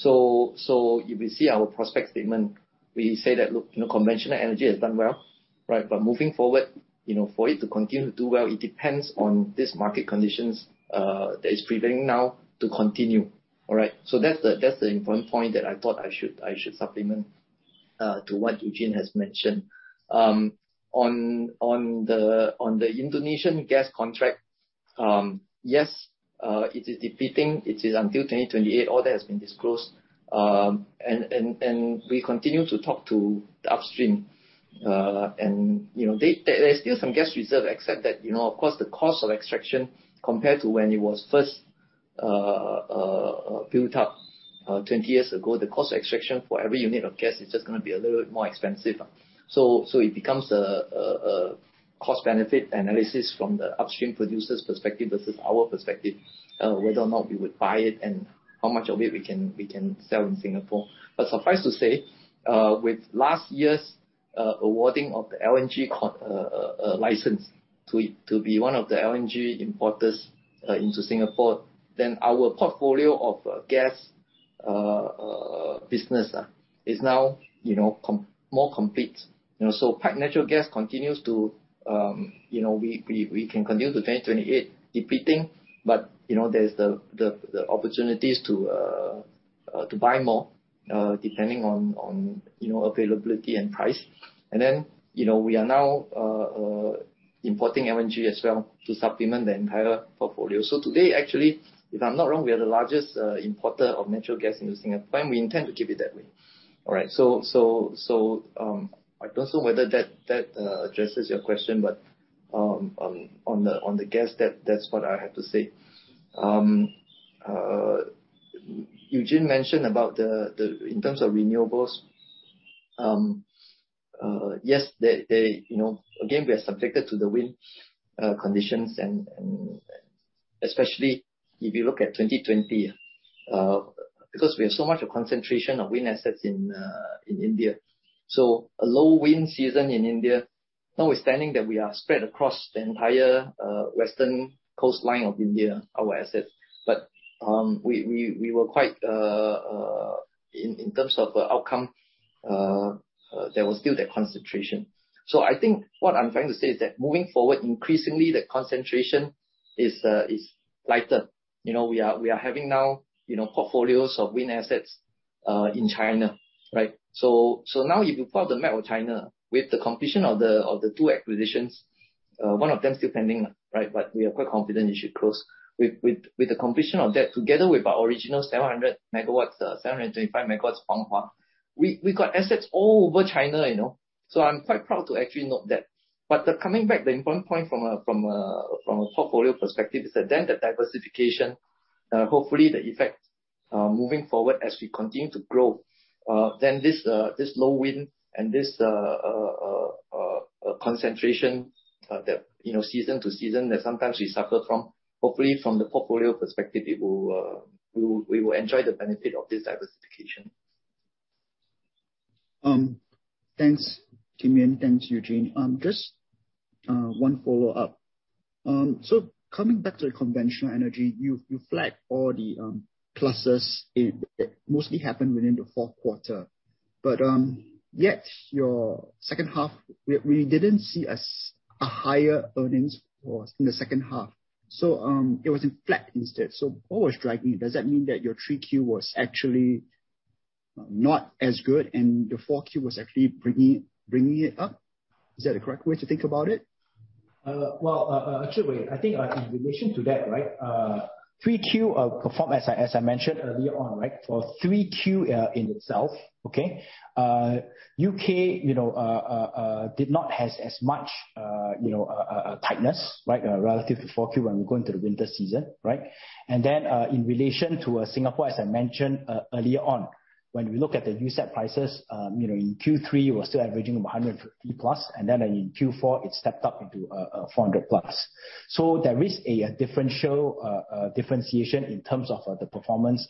If you see our prospect statement, we say that, look, you know, conventional energy has done well, right? Moving forward, you know, for it to continue to do well, it depends on this market conditions that is prevailing now to continue. All right? That's the important point that I thought I should supplement to what Eugene has mentioned. On the Indonesian gas contract, yes, it is depleting. It is until 2028. All that has been disclosed. We continue to talk to the upstream. You know, there's still some gas reserve except that, you know, of course, the cost of extraction compared to when it was first built up 20 years ago, the cost of extraction for every unit of gas is just gonna be a little bit more expensive. It becomes a cost benefit analysis from the upstream producer's perspective versus our perspective whether or not we would buy it and how much of it we can sell in Singapore. Suffice to say, with last year's awarding of the LNG license to be one of the LNG importers into Singapore, then our portfolio of gas business is now, you know, more complete, you know. West Natuna Gas continues to, you know, we can continue to 2028 depleting, but, you know, there's the opportunities to buy more, depending on, you know, availability and price. Then, you know, we are now importing LNG as well to supplement the entire portfolio. Today, actually, if I'm not wrong, we are the largest importer of natural gas in Singapore, and we intend to keep it that way. All right. I don't know whether that addresses your question, but, on the gas, that's what I have to say. Eugene mentioned about the. In terms of renewables, yes, they you know. Again, we are subjected to the wind conditions and especially if you look at 2020, because we have so much concentration of wind assets in India. A low wind season in India, notwithstanding that we are spread across the entire western coastline of India, our assets. But we were quite in terms of outcome, there was still that concentration. I think what I'm trying to say is that moving forward, increasingly the concentration is lighter. You know, we are having now, you know, portfolios of wind assets in China, right? So now if you plot the map of China with the completion of the two acquisitions, one of them still pending, right? But we are quite confident it should close. With the completion of that, together with our original 700 MW, 725 MW Fangchenggang, we got assets all over China, you know? I'm quite proud to actually note that. Coming back, the important point from a portfolio perspective is that then the diversification, hopefully the effect moving forward as we continue to grow, then this low wind and this concentration, the you know, season to season that sometimes we suffer from, hopefully from the portfolio perspective, we will enjoy the benefit of this diversification. Thanks, Wong Kim Yin. Thanks, Eugene Cheng. Just one follow-up. Coming back to the conventional energy, you flagged all the clusters. It mostly happened within the fourth quarter. In your second half, we didn't see it as higher earnings overall in the second half, so it was flat instead. What was driving it? Does that mean that your 3Q was actually not as good, and the 4Q was actually bringing it up? Is that a correct way to think about it? Actually, I think in relation to that, right, 3Q performed as I mentioned earlier on, right? For 3Q in itself, okay, U.K. you know did not have as much you know tightness, right? Relative to 4Q when we go into the winter season, right? In relation to Singapore, as I mentioned earlier on, when we look at the USEP prices, you know, in Q3 we're still averaging about $150+, and then in Q4 it stepped up into $400+. There is a differentiation in terms of the performance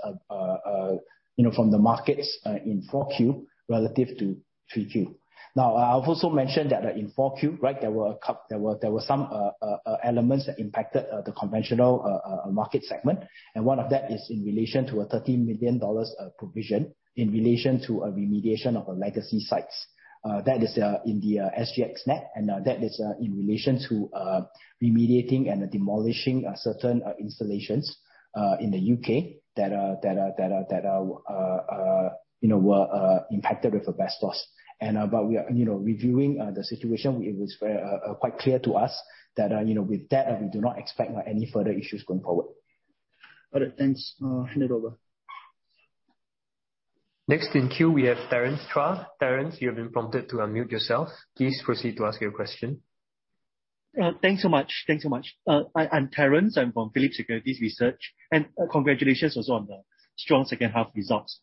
you know from the markets in 4Q relative to 3Q. Now, I've also mentioned that in 4Q, right, there were some elements that impacted the conventional market segment. One of that is in relation to a $30 million provision in relation to a remediation of the legacy sites. That is in the SGXNet, and that is in relation to remediating and demolishing certain installations in the U.K. that are, you know, were impacted with asbestos. But we are, you know, reviewing the situation. It was very quite clear to us that, you know, with that, we do not expect any further issues going forward. All right. Thanks. I'll hand it over. Next in queue we have Terence Chua. Terence, you have been prompted to unmute yourself. Please proceed to ask your question. Thanks so much. I'm Terence from Phillip Securities Research. Congratulations on the strong second half results.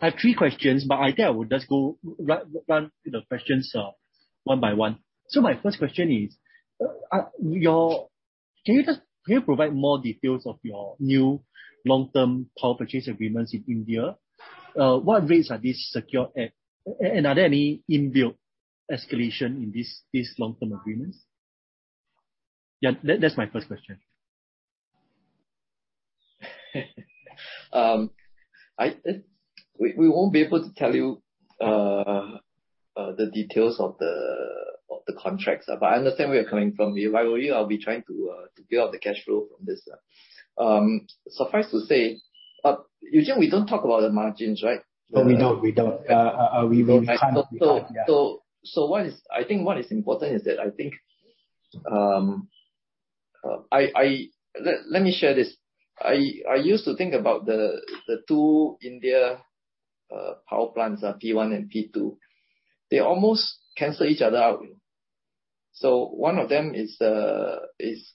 I have three questions, but I think I would just go run the questions one by one. My first question is, can you provide more details of your new long-term power purchase agreements in India? What rates are these secure at, and are there any inbuilt escalation in these long-term agreements? That's my first question. We won't be able to tell you the details of the contracts. I understand where you're coming from. You probably are trying to build up the cash flow from this. Suffice to say, usually we don't talk about the margins, right? No, we don't. We can't. Yeah. I think what is important is that I think, let me share this. I used to think about the two Indian power plants, P1 and P2. They almost cancel each other out. One of them is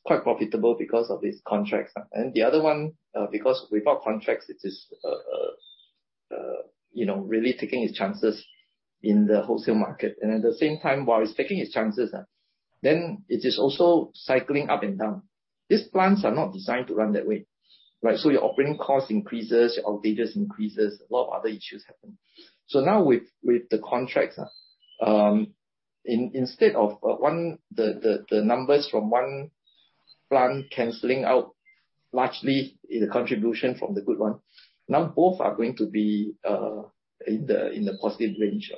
quite profitable because of its contracts. The other one, because without contracts, it is, you know, really taking its chances in the wholesale market. At the same time, while it is taking its chances, it is also cycling up and down. These plants are not designed to run that way, right? Your operating cost increases, your outlays increases, a lot of other issues happen. Now with the contracts, instead of one, the numbers from one plant canceling out largely the contribution from the good one, now both are going to be in the positive range.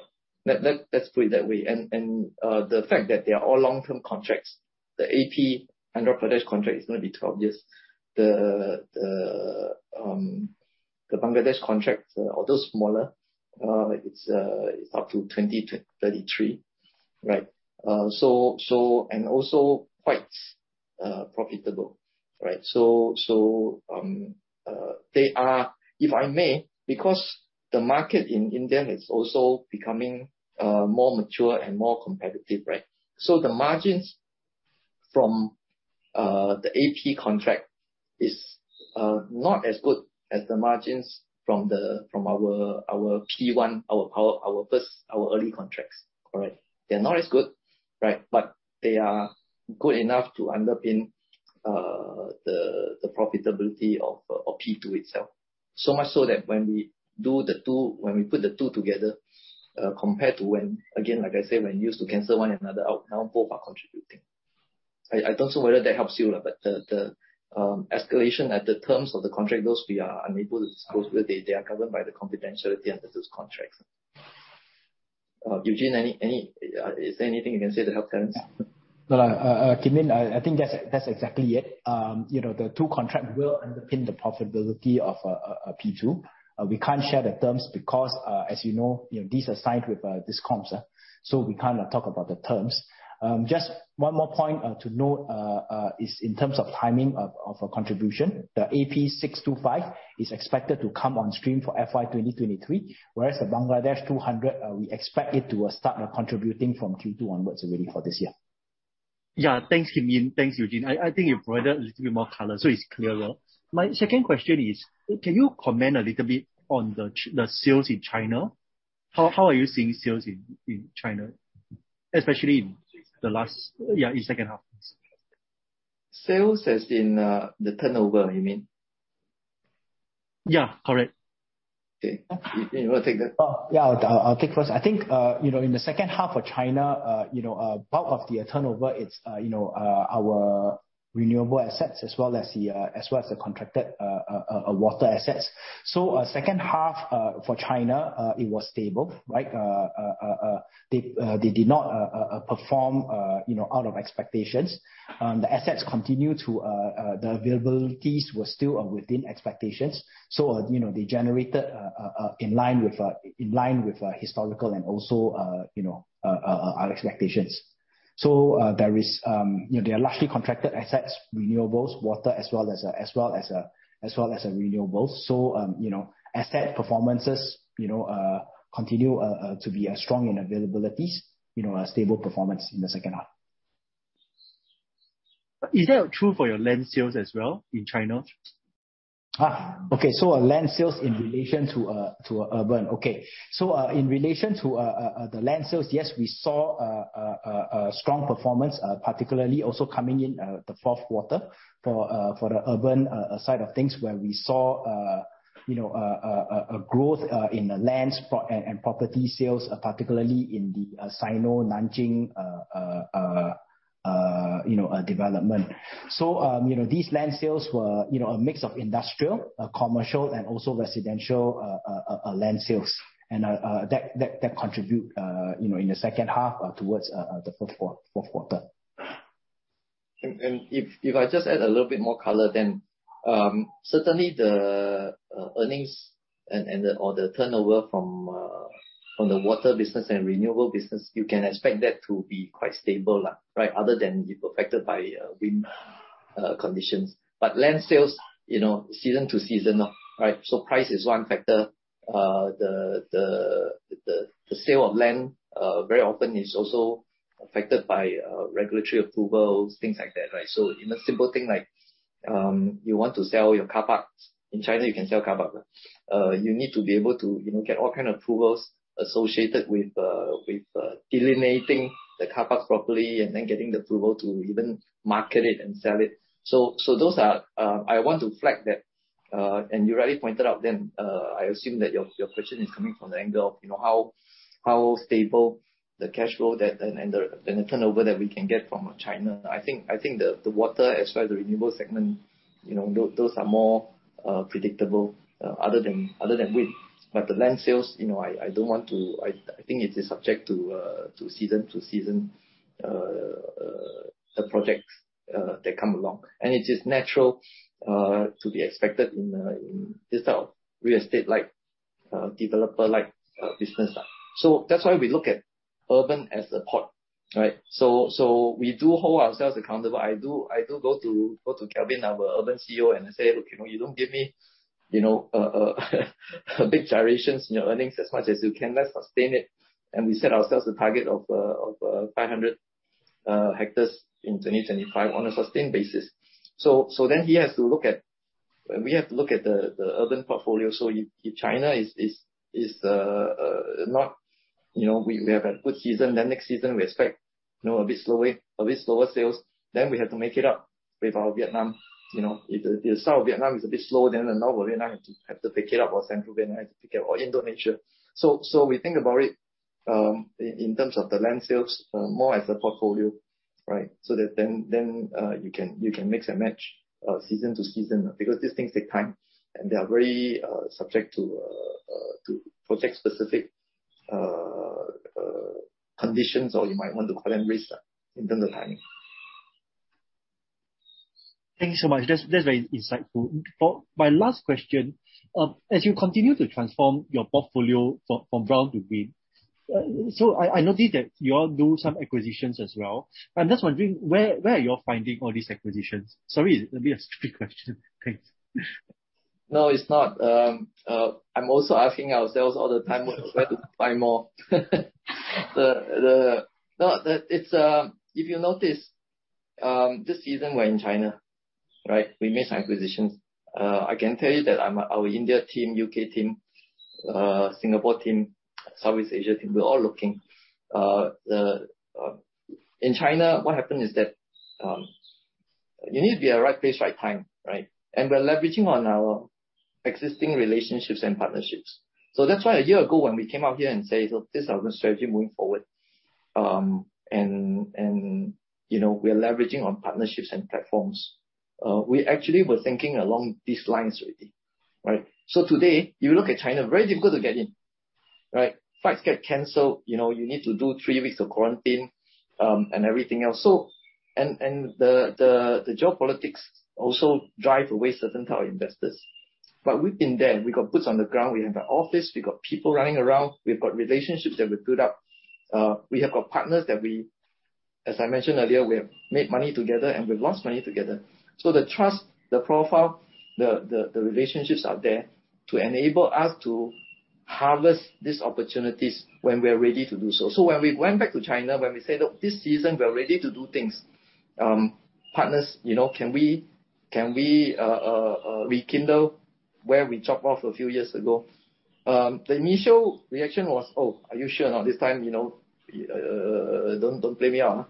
Let's put it that way. The fact that they are all long-term contracts, the AP, Andhra Pradesh contract is going to be 12 years. The Bangladesh contract, although smaller, it's up to 2033. Right. Also quite profitable. Right? If I may, because the market in India is also becoming more mature and more competitive, right? The margins from the AP contract is not as good as the margins from our P1, our power, our first, our early contracts. All right? They're not as good, right, but they are good enough to underpin the profitability of P2 itself. So much so that when we put the two together, compared to when, again, like I said, when you used to cancel one another out, now both are contributing. I don't know whether that helps you, but the escalation at the terms of the contract, those we are unable to disclose. They are governed by the confidentiality under those contracts. Eugene, is there anything you can say to help Terence? No, no. Kim Yin, I think that's exactly it. You know, the two contracts will underpin the profitability of P2. We can't share the terms because, as you know, you know, these are signed with discoms. We can't talk about the terms. Just one more point to note is in terms of timing of a contribution. The AP625 is expected to come on stream for FY 2023, whereas the Bangladesh 200, we expect it to start contributing from Q2 onwards already for this year. Yeah. Thanks, Kim Yin. Thanks, Eugene. I think you provided a little bit more color, so it's clearer. My second question is, can you comment a little bit on the sales in China? How are you seeing sales in China, especially in the last, yeah, in second half? Sales as in, the turnover, you mean? Yeah. Correct. Okay. Eugene, you wanna take that? Oh, yeah, I'll take first. I think, you know, in the second half in China, you know, bulk of the turnover, it's, you know, our renewable assets, as well as the contracted water assets. Second half for China, it was stable, right? They did not perform, you know, out of expectations. The availabilities were still within expectations. You know, they generated in line with historical and also, you know, our expectations. They are largely contracted assets, renewables, water, as well as renewables. You know, asset performances, you know, continue to be strong in availabilities, you know, a stable performance in the second half. Is that true for your land sales as well in China? Land sales in relation to urban. In relation to the land sales, yes, we saw a strong performance, particularly also coming in the fourth quarter for the urban side of things, where we saw, you know, a growth in the land and property sales, particularly in the Sino-Singapore Nanjing development. You know, these land sales were, you know, a mix of industrial, commercial, and also residential land sales, and that contribute, you know, in the second half towards the fourth quarter. If I just add a little bit more color, then certainly the earnings and or the turnover from the water business and renewable business, you can expect that to be quite stable, right, other than you're affected by wind conditions. Land sales, you know, season to season, right. Price is one factor. The sale of land very often is also affected by regulatory approvals, things like that, right? You know, simple thing, like you want to sell your car parks. In China, you can sell car park. You need to be able to, you know, get all kind of approvals associated with delineating the car parks properly and then getting the approval to even market it and sell it. Those are what I want to flag. You already pointed out then. I assume that your question is coming from the angle of, you know, how stable the cash flow and the turnover that we can get from China. I think the water as well, the renewable segment, you know, those are more predictable, other than wind. The land sales, you know, I don't want to. I think it is subject to season to season, the projects that come along. It is natural to be expected in this type of real estate, like developer, like business. That's why we look at urban as a part, right? We do hold ourselves accountable. I go to Calvin, our Urban CEO, and say, "Look, you know, you don't give me, you know, big gyrations in your earnings as much as you can. Let's sustain it." We set ourselves a target of 500 hectares in 2025 on a sustained basis. Then he has to look at—we have to look at the urban portfolio. If China is not, you know, we have a good season, then next season we expect, you know, a bit slower sales. We have to make it up with our Vietnam. You know, if the South Vietnam is a bit slow, then the North Vietnam have to pick it up or Central Vietnam to pick it or Indonesia. We think about it in terms of the land sales more as a portfolio, right? That then you can mix and match season to season, because these things take time, and they are very subject to project specific conditions, or you might want to call them risk in terms of timing. Thank you so much. That's very insightful. For my last question, as you continue to transform your portfolio from brown to green, so I noticed that you all do some acquisitions as well. I'm just wondering where are you finding all these acquisitions? Sorry, it may be a stupid question. Thanks. No, it's not. I'm also asking myself all the time where to buy more. If you notice, this season we're in China, right? We made acquisitions. I can tell you that, our India team, U.K. team, Singapore team, Southeast Asia team, we're all looking. In China, what happened is that, you need to be at right place, right time, right? We're leveraging on our existing relationships and partnerships. That's why a year ago, when we came out here and said, "Look, this is our strategy moving forward, you know, we're leveraging on partnerships and platforms," we actually were thinking along these lines already, right? Today, you look at China, very difficult to get in, right? Flights get canceled. You know, you need to do three weeks of quarantine, and everything else. The geopolitics also drive away certain type of investors. We've been there. We've got boots on the ground. We have an office. We've got people running around. We've got relationships that we built up. We have got partners that we, as I mentioned earlier, we have made money together and we've lost money together. The trust, the profile, the relationships are there to enable us to harvest these opportunities when we're ready to do so. When we went back to China, when we said, "Look, this season we are ready to do things, partners, you know, can we rekindle where we chopped off a few years ago?" The initial reaction was, "Oh, are you sure now this time, you know, don't play me out." You know,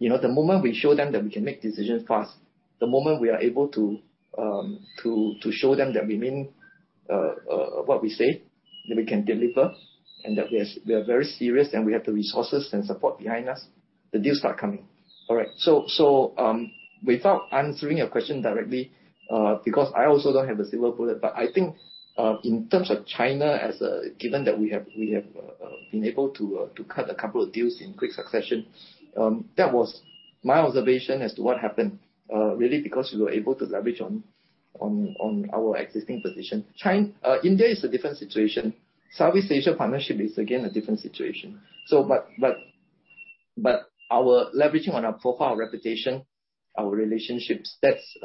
the moment we show them that we can make decisions fast, the moment we are able to show them that we mean what we say, that we can deliver and that we are very serious and we have the resources and support behind us, the deals start coming. All right. Without answering your question directly, because I also don't have a silver bullet, but I think in terms of China as a given that we have been able to cut a couple of deals in quick succession, that was my observation as to what happened really because we were able to leverage on our existing position. China. India is a different situation. Southeast Asia partnership is again a different situation. Our leveraging on our profile, our reputation, our relationships, that's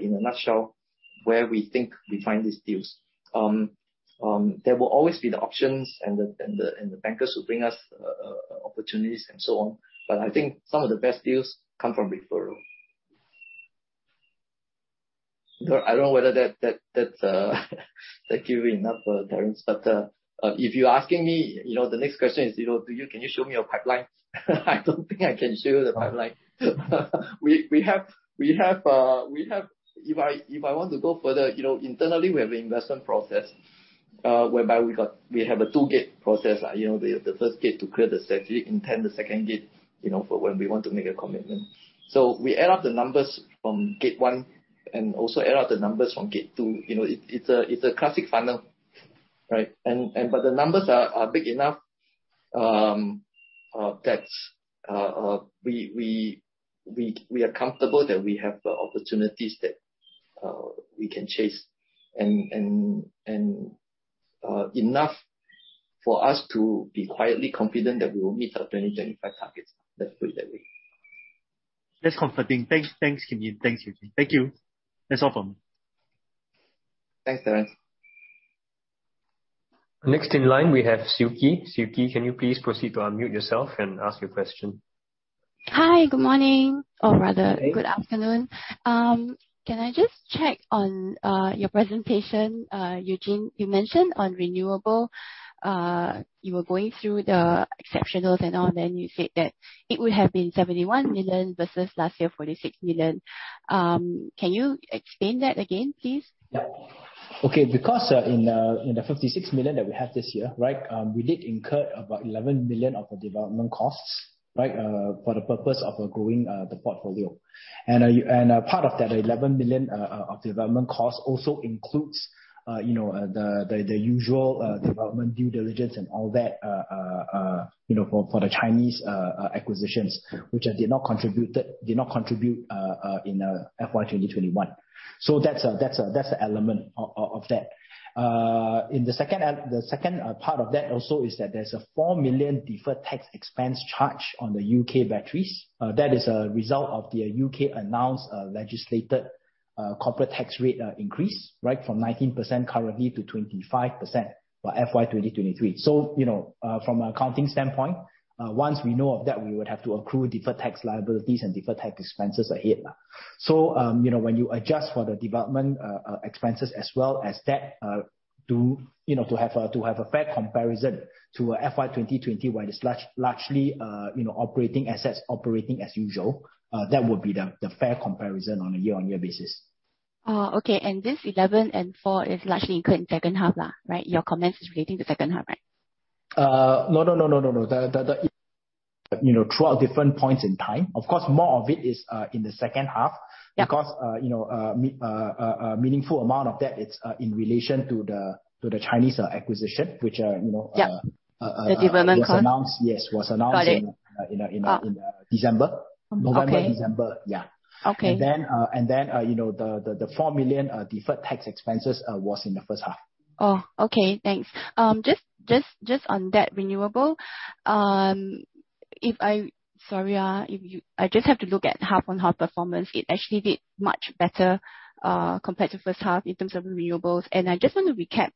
in a nutshell where we think we find these deals. There will always be the options and the bankers who bring us opportunities and so on, but I think some of the best deals come from referral. Though I don't know whether that give you enough, Terence, if you're asking me, you know, the next question is, you know, Can you show me your pipeline? I don't think I can show you the pipeline. If I want to go further, you know, internally, we have an investment process whereby we have a two-gate process. You know, the first gate to clear the strategy, and then the second gate, you know, for when we want to make a commitment. We add up the numbers from gate one and also add up the numbers from gate two. You know, it's a classic funnel, right? The numbers are big enough that we are comfortable that we have the opportunities that we can chase and enough for us to be quietly confident that we will meet our 2025 targets. Let's put it that way. That's comforting. Thanks. Thanks, Kim Yin. Thanks, Eugene. Thank you. That's all from me. Thanks, Terence. Next in line we have Suki. Suki, can you please proceed to unmute yourself and ask your question? Hi. Good morning, or rather good afternoon. Good day. Can I just check on your presentation, Eugene? You mentioned on renewable, you were going through the exceptionals and all, then you said that it would have been 71 million versus last year, 46 million. Can you explain that again, please? Yeah. Okay, because in the 56 million that we have this year, right, we did incur about 11 million of development costs, right, for the purpose of growing the portfolio. A part of that 11 million of development costs also includes, you know, the usual development due diligence and all that, you know, for the Chinese acquisitions which did not contribute in FY 2021. That's an element of that. The second part of that also is that there's a 4 million deferred tax expense charge on the U.K. batteries. That is a result of the U.K. announced legislation corporate tax rate increase, right, from 19% currently to 25% for FY 2023. You know, from an accounting standpoint, once we know of that, we would have to accrue deferred tax liabilities and deferred tax expenses ahead. You know, when you adjust for the development expenses as well as that, you know, to have a fair comparison to FY 2020 where it is largely operating assets operating as usual, that would be the fair comparison on a year-on-year basis. Oh, okay. This 11 and 4 is largely incurred in second half, right? Your comments is relating to second half, right? No. You know, throughout different points in time. Of course, more of it is in the second half. Yeah. Because, you know, a meaningful amount of that it's in relation to the Chinese acquisition, which, you know, Yeah. The development cost. Was announced. Yes. Got it. You know, in the December. Okay. November, December. Yeah. Okay. You know, the 4 million deferred tax expenses was in the first half. Oh, okay. Thanks. Just on that renewable, I just have to look at half-on-half performance. It actually did much better compared to first half in terms of renewables. I just want to recap.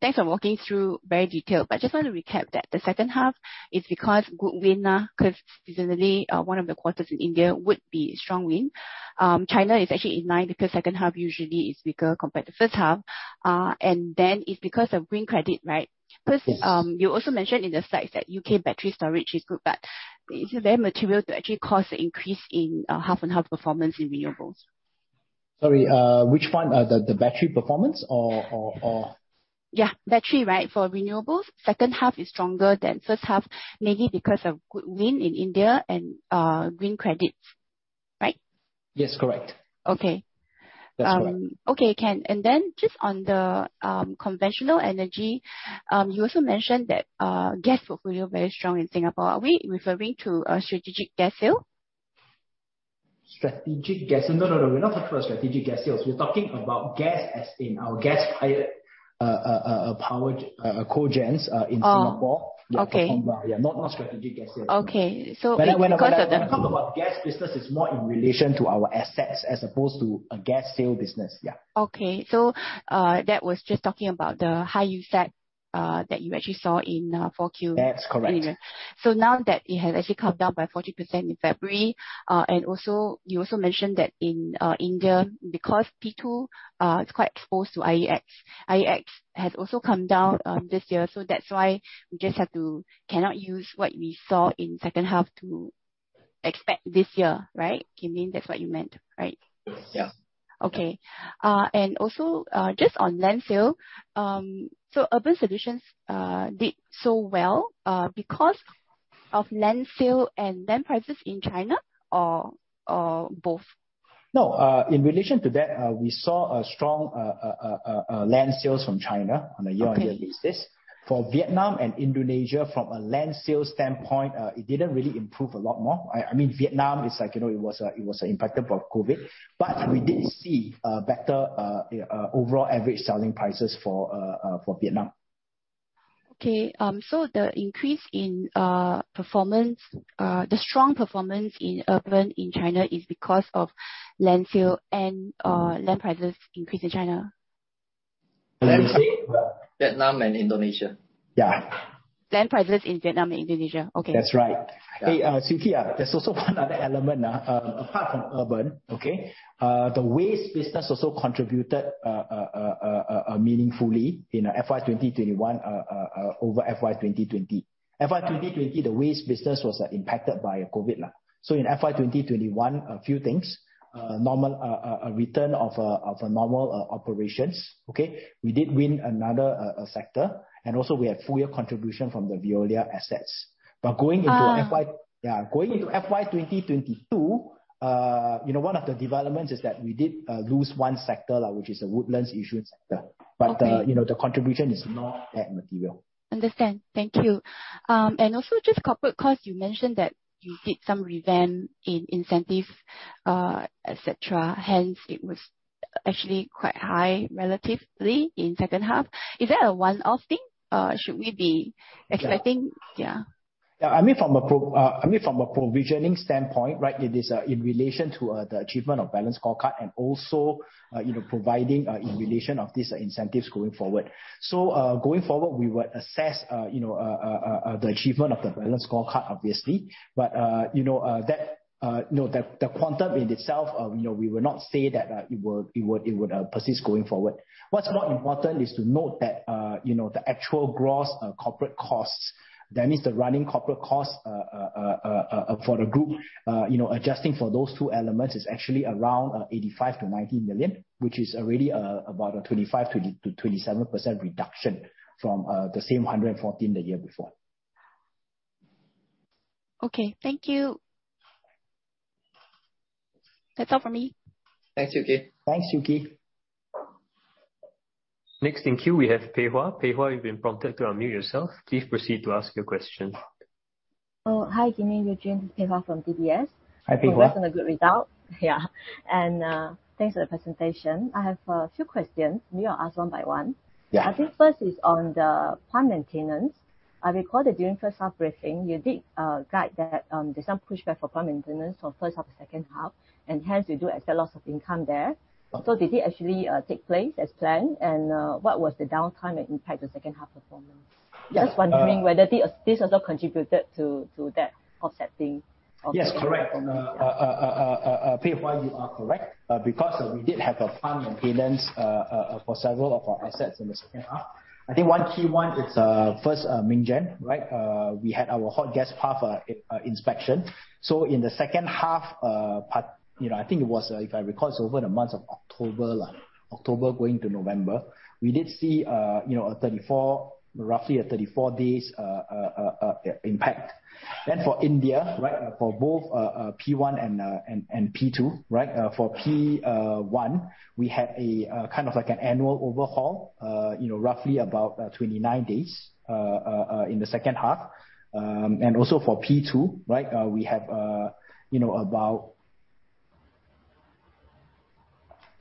Thanks for walking through very detailed, but just want to recap that the second half is because good wind, 'cause seasonally, one of the quarters in India would be strong wind. China is actually in line because second half usually is weaker compared to first half. And then it's because of green credit, right? Yes. 'Cause, you also mentioned in the slides that U.K. battery storage is good, but is it very material to actually cause the increase in, half on half performance in renewables? Sorry, which one? The battery performance or. Yeah, battery, right? For renewables. Second half is stronger than first half, maybe because of good wind in India and green credits, right? Yes, correct. Okay. That's right. Okay. Just on the conventional energy, you also mentioned that gas portfolio very strong in Singapore. Are we referring to strategic gas sale? No, no, we're not talking about strategic gas sales. We're talking about gas as in our gas-fired power cogens in Singapore. Oh, okay. Yeah. Not strategic gas sales. Okay. Because of the. When I talk about gas business, it's more in relation to our assets as opposed to a gas sale business. Yeah. Okay. That was just talking about the high usage that you actually saw in 4Q. That's correct. Now that it has actually come down by 40% in February, and also you also mentioned that in India, because P2 it's quite exposed to IEX. IEX has also come down this year. That's why we just have to cannot use what we saw in second half to expect this year, right? Wong Kim Yin, that's what you meant, right? Yes. Yeah. Okay. Also, just on landfill, so Urban Solutions did so well because of landfill and land prices in China or both? No. In relation to that, we saw a strong land sales from China on a year-on-year basis. Okay. For Vietnam and Indonesia, from a land sale standpoint, it didn't really improve a lot more. I mean, Vietnam is like, you know, it was impacted by COVID, but we did see better overall average selling prices for Vietnam. The increase in performance, the strong performance in Urban Development in China is because of landfill and land prices increase in China? Landfill, Vietnam, and Indonesia. Yeah. Land prices in Vietnam and Indonesia. Okay. That's right. Yeah. Hey, Cynthia, there's also one other element apart from urban. Okay, the waste business also contributed meaningfully in FY 2021 over FY 2020. Mm-hmm. FY 2020, the waste business was impacted by COVID. In FY 2021, a few things, a return to normal operations, okay? We did win another sector, and also we had full year contribution from the Veolia assets. Going into- Ah. Yeah, going into FY 2022, you know, one of the developments is that we did lose one sector, which is a Woodlands-Yishun sector. Okay. You know, the contribution is not that material. Understand. Thank you. Also just corporate costs. You mentioned that you did some revamp in incentives, et cetera, hence it was actually quite high relatively in second half. Is that a one-off thing? Should we be- Yeah. Yeah. I mean from a provisioning standpoint, right, it is in relation to the achievement of balanced scorecard and also you know providing in relation to these incentives going forward. Going forward, we would assess you know the achievement of the balanced scorecard obviously. You know that you know the quantum in itself you know we will not say that it would persist going forward. What's more important is to note that, you know, the actual gross corporate costs, that is the running corporate costs, for the group, you know, adjusting for those two elements is actually around 85-90 million, which is already about a 25%-27% reduction from the same 114 the year before. Okay. Thank you. That's all from me. Thanks, Suki. Thanks, Suki. Next in queue, we have Pei Hwa. Pei Hwa, you've been prompted to unmute yourself. Please proceed to ask your question. Oh, hi, Kim Yin, Eugene Cheng. This is Pei Hwa Ho from DBS. Hi, Pei Hwa. Congrats on a good result. Yeah. Thanks for the presentation. I have a few questions. You are asked one by one. Yeah. I think first is on the plant maintenance. I recall that during first half briefing, you did guide that there's some pushback for plant maintenance for first half or second half, and hence you do extra loss of income there. Okay. Did it actually take place as planned? What was the downtime that impact the second half performance? Uh- Just wondering whether the, this also contributed to that offsetting of Yes, correct. Pei Hwa, you are correct, because we did have a plant maintenance for several of our assets in the second half. I think one key one is first Myingyan, right? We had our hot gas path inspection. In the second half part, you know, I think it was, if I recall, over the months of October going to November. We did see, you know, roughly 34 days impact. For India, right, for both P1 and P2, right? For P1, we had a kind of like an annual overhaul, you know, roughly about 29 days in the second half. For P2, right, we have, you know,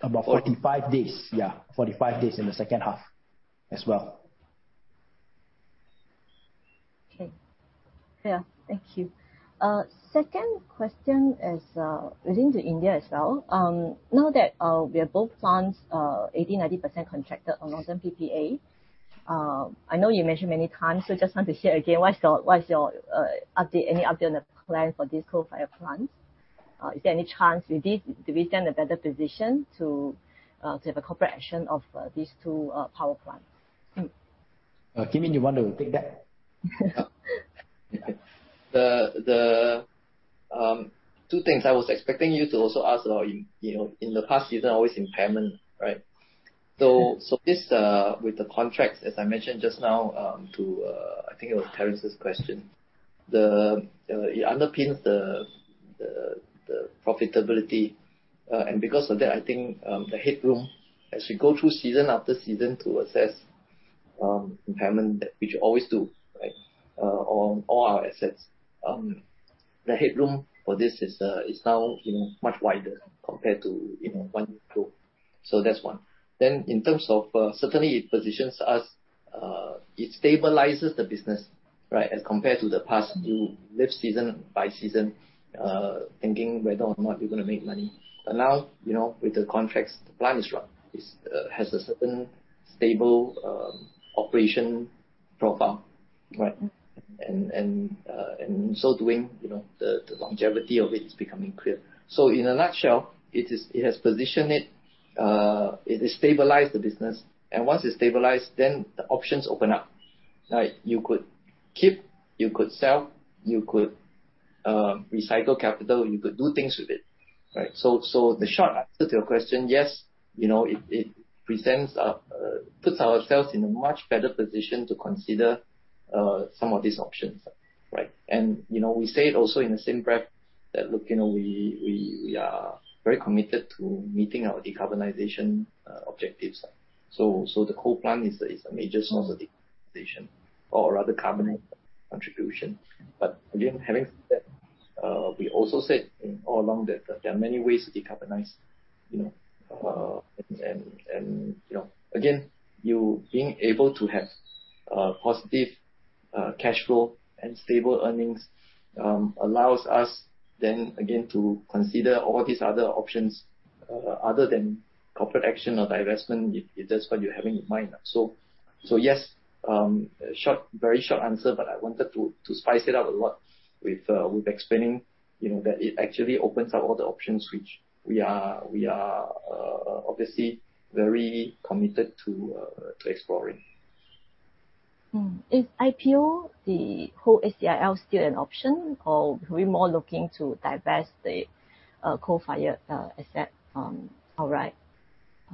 about 45 days. 45 days in the second half as well. Okay. Yeah. Thank you. Second question is relating to India as well. Now that we have both plants 80%-90% contracted on Northern PPA, I know you mentioned many times, so just want to hear again, what's your update, any update on the plan for these coal-fired plants? Is there any chance we stand a better position to have a cooperation of these two power plants? Kim Yin, you want to take that? The two things I was expecting you to also ask about, you know, in the past season, always impairment, right? This, with the contracts, as I mentioned just now, I think it was Terence's question. It underpins the profitability. Because of that, I think, the headroom as we go through season after season to assess impairment, which we always do, right, on all our assets. The headroom for this is now, you know, much wider compared to, you know, 1, 2. That's one. In terms of, certainly it positions us, it stabilizes the business, right? As compared to the past, you live season by season, thinking whether or not you're gonna make money. Now, you know, with the contracts, the plan is run. It has a certain stable operation profile, right? Mm-hmm. In so doing, you know, the longevity of it is becoming clear. In a nutshell, it has stabilized the business. Once it's stabilized, the options open up, right? You could keep, you could sell, you could recycle capital, you could do things with it, right? The short answer to your question, yes, you know, it puts ourselves in a much better position to consider some of these options, right? You know, we say it also in the same breath that, look, you know, we are very committed to meeting our decarbonization objectives. The coal plant is a major source of decarbonization or rather carbon contribution. Again, having said that, we also said all along that there are many ways to decarbonize, you know. You know, again, you being able to have positive cash flow and stable earnings allows us then again to consider all these other options other than corporate action or divestment if that's what you're having in mind. Yes, short, very short answer, but I wanted to spice it up a lot with explaining, you know, that it actually opens up all the options which we are obviously very committed to exploring. Is IPO, the whole SEIL still an option or are we more looking to divest the coal-fired asset outright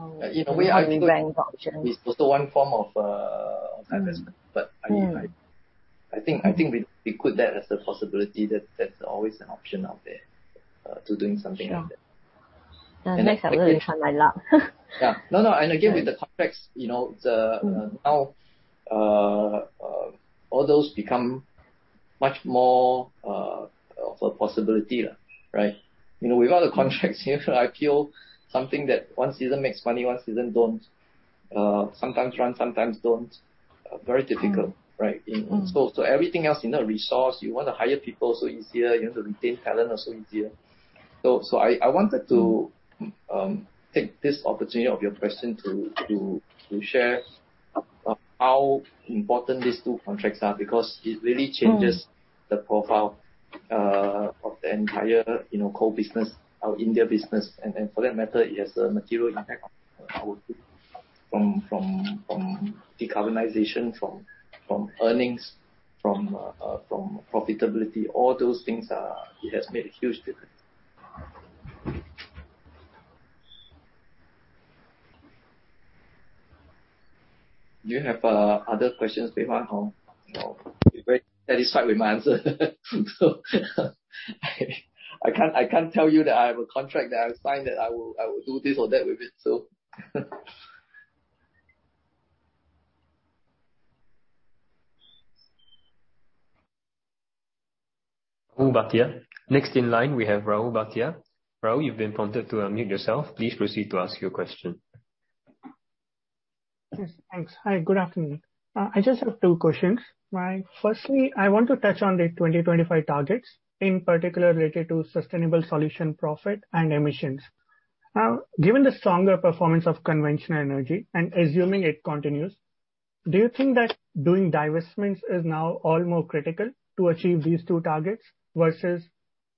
or In a way, IPO Option. Is also one form of divestment. Mm-hmm. I mean, like, I think we put that as a possibility that that's always an option out there to doing something like that. Sure. Next. Try my luck. Yeah. No, no. Again, with the complex, you know. Now, all those become much more of a possibility, right? You know, with all the contracts here for IPP, something that one season makes money, one season don't, sometimes run, sometimes don't. Very difficult, right? Mm-hmm. Everything else, you know, resource, you want to hire people, so easier. You want to retain talent, also easier. I wanted to take this opportunity of your question to share how important these two contracts are, because it really changes. Mm. The profile of the entire, you know, coal business, our India business. For that matter, it has a material impact from decarbonization, from earnings, from profitability. All those things. It has made a huge difference. Do you have other questions, Behma, or, you know, you're very satisfied with my answer? I can't tell you that I have a contract that I signed, that I will do this or that with it. Rahul Bhatia. Next in line, we have Rahul Bhatia. Rahul, you've been prompted to unmute yourself. Please proceed to ask your question. Yes. Thanks. Hi, good afternoon. I just have two questions. Firstly, I want to touch on the 2025 targets, in particular related to sustainable solution profit and emissions. Now, given the stronger performance of conventional energy and assuming it continues, do you think that doing divestments is now all the more critical to achieve these two targets versus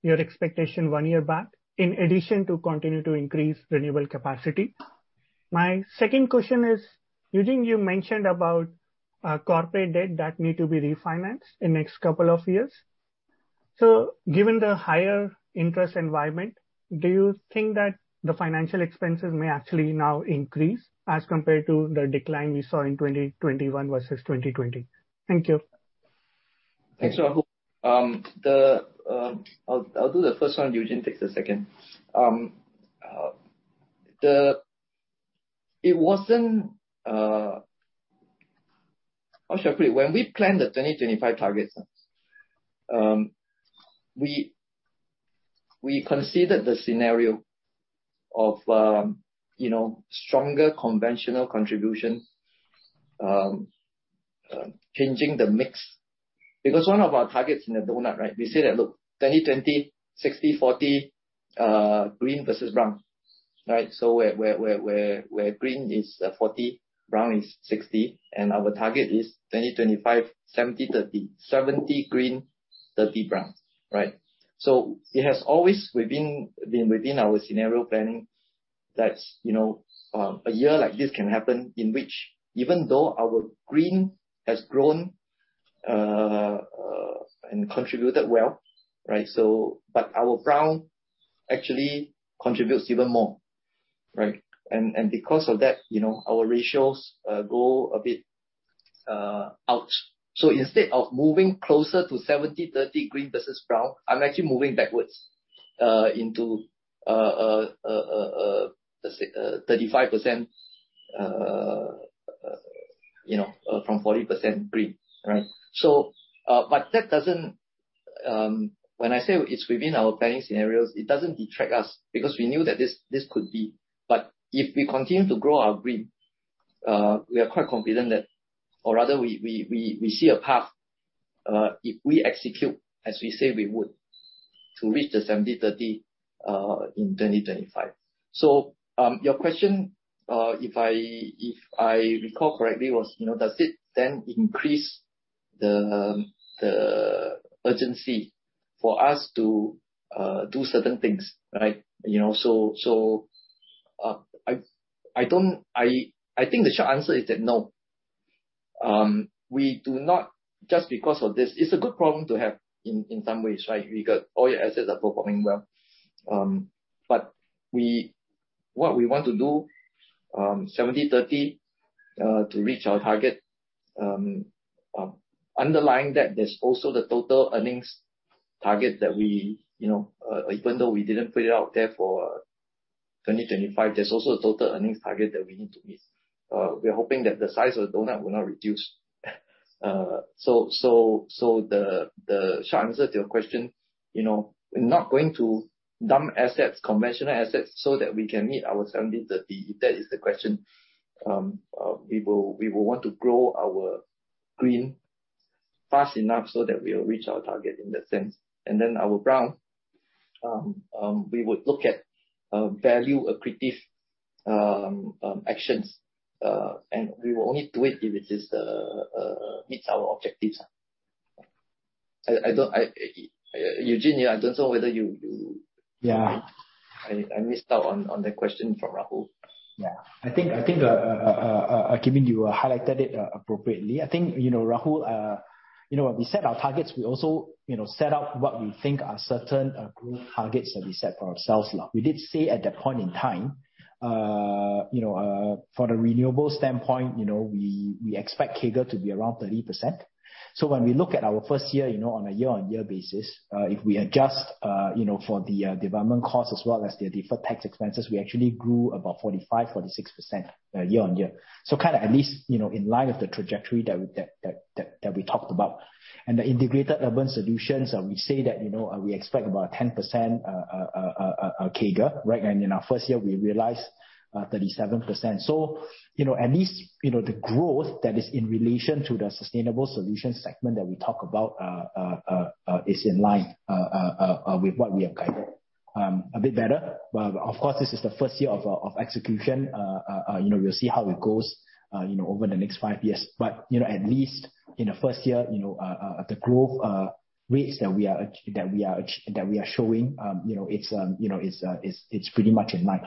your expectation one year back, in addition to continue to increase renewable capacity? My second question is, Eugene, you mentioned about corporate debt that need to be refinanced in next couple of years. Given the higher interest environment, do you think that the financial expenses may actually now increase as compared to the decline we saw in 2021 versus 2020? Thank you. Thanks, Rahul. I'll do the first one. Eugene takes the second. It wasn't. How shall I put it? When we planned the 2025 targets, we considered the scenario of, you know, stronger conventional contributions, changing the mix. Because one of our targets in the donut, right? We say that, look, 2020 60/40, green versus brown, right? Where green is 40, brown is 60, and our target is 2025 70/30. 70 green, 30 brown, right? It has always been within our scenario planning that, you know, a year like this can happen in which even though our green has grown and contributed well, right? But our brown actually contributes even more, right? Because of that, you know, our ratios go a bit out. Instead of moving closer to 70/30 green versus brown, I'm actually moving backwards into let's say 35%, you know, from 40% green, right? But that doesn't. When I say it's within our planning scenarios, it doesn't detract us because we knew that this could be. If we continue to grow our green, we are quite confident that, or rather we see a path if we execute as we say we would, to reach the 70/30 in 2025. Your question, if I recall correctly, was, you know, does it then increase the urgency for us to do certain things, right? You know, I think the short answer is that no. We do not just because of this. It's a good problem to have in some ways, right? Because all your assets are performing well. What we want to do, 70/30, to reach our target. Underlying that, there's also the total earnings target that we, you know, even though we didn't put it out there for 2025, there's also a total earnings target that we need to meet. We are hoping that the size of the donut will not reduce. The short answer to your question, you know, we're not going to dump assets, conventional assets, so that we can meet our 70/30, if that is the question. We will want to grow our green fast enough so that we'll reach our target in that sense. Our brown we would look at value accretive actions. We will only do it if it meets our objectives. I don't, Eugene, I don't know whether you Yeah. I missed out on the question from Rahul. Yeah. I think, Kim Yin, you highlighted it, appropriately. I think, you know, Rahul, you know, we set our targets. We also, you know, set up what we think are certain, growth targets that we set for ourselves now. We did say at that point in time, you know, for the renewables standpoint, you know, we expect CAGR to be around 30%. When we look at our first year, you know, on a year-on-year basis, if we adjust, you know, for the development costs as well as the deferred tax expenses, we actually grew about 45%-46% year-on-year. Kinda at least, you know, in line with the trajectory that we talked about. The Integrated Urban Solutions, we say that, you know, CAGR, right? In our first year, we realized 37%. You know, at least, you know, the growth that is in relation to the Sustainable Solutions segment that we talk about is in line with what we have guided. A bit better, but of course, this is the first year of execution. You know, we'll see how it goes, you know, over the next five years. You know, at least in the first year, you know, the growth rates that we are showing, you know, it's pretty much in line.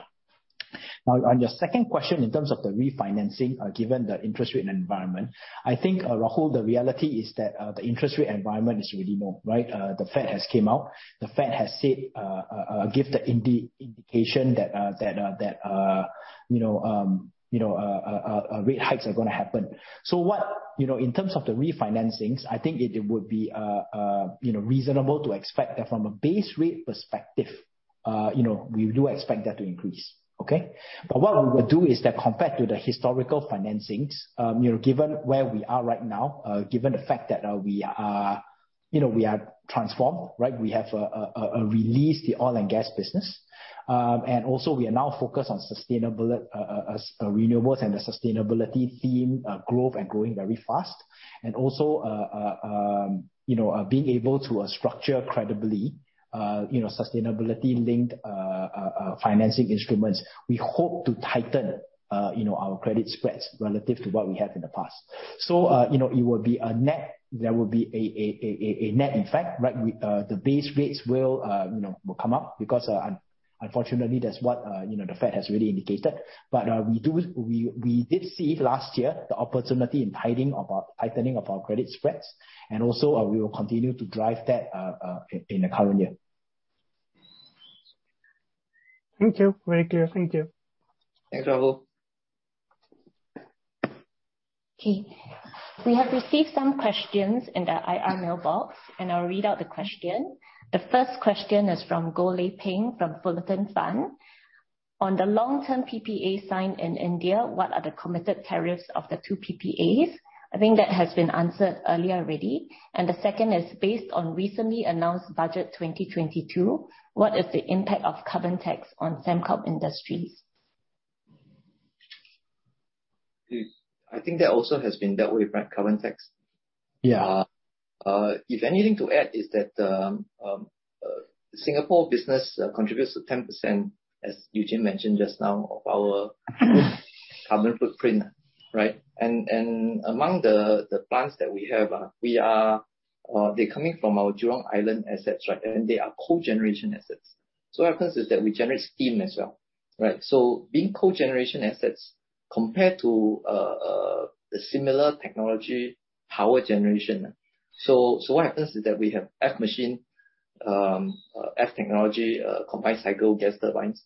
Now, on your second question in terms of the refinancing, given the interest rate environment, I think, Rahul, the reality is that the interest rate environment is really moving, right? The Fed has came out. The Fed has said, given the indication that you know rate hikes are gonna happen. You know, in terms of the refinancings, I think it would be you know reasonable to expect that from a base rate perspective, you know, we do expect that to increase. Okay? What we will do is that compared to the historical financings, you know, given where we are right now, given the fact that we are you know transformed, right? We have released the oil and gas business. We are now focused on sustainable renewables and the sustainability theme growth and growing very fast. You know, being able to structure credibly you know sustainability-linked financing instruments. We hope to tighten you know our credit spreads relative to what we have in the past. It would be a net effect. There will be a net effect, right? The base rates will you know come up because unfortunately, that's what you know the Fed has really indicated. We did see it last year, the opportunity in tightening of our credit spreads, and also we will continue to drive that in the current year. Thank you. Very clear. Thank you. Thanks, Rahul. Okay. We have received some questions in the IR mailbox, and I'll read out the question. The first question is from Goh Lay Peng from Fullerton Fund. On the long-term PPA signed in India, what are the committed tariffs of the two PPAs? I think that has been answered earlier already. The second is based on recently announced budget 2022, what is the impact of carbon tax on Sembcorp Industries? Yes. I think that also has been dealt with, right, carbon tax? Yeah. If anything to add is that, Singapore business contributes to 10%, as Eugene mentioned just now, of our carbon footprint, right? Among the plants that we have, they're coming from our Jurong Island assets, right? They are cogeneration assets. What happens is that we generate steam as well, right? Being cogeneration assets compared to the similar technology power generation. What happens is that we have F-class technology combined cycle gas turbines.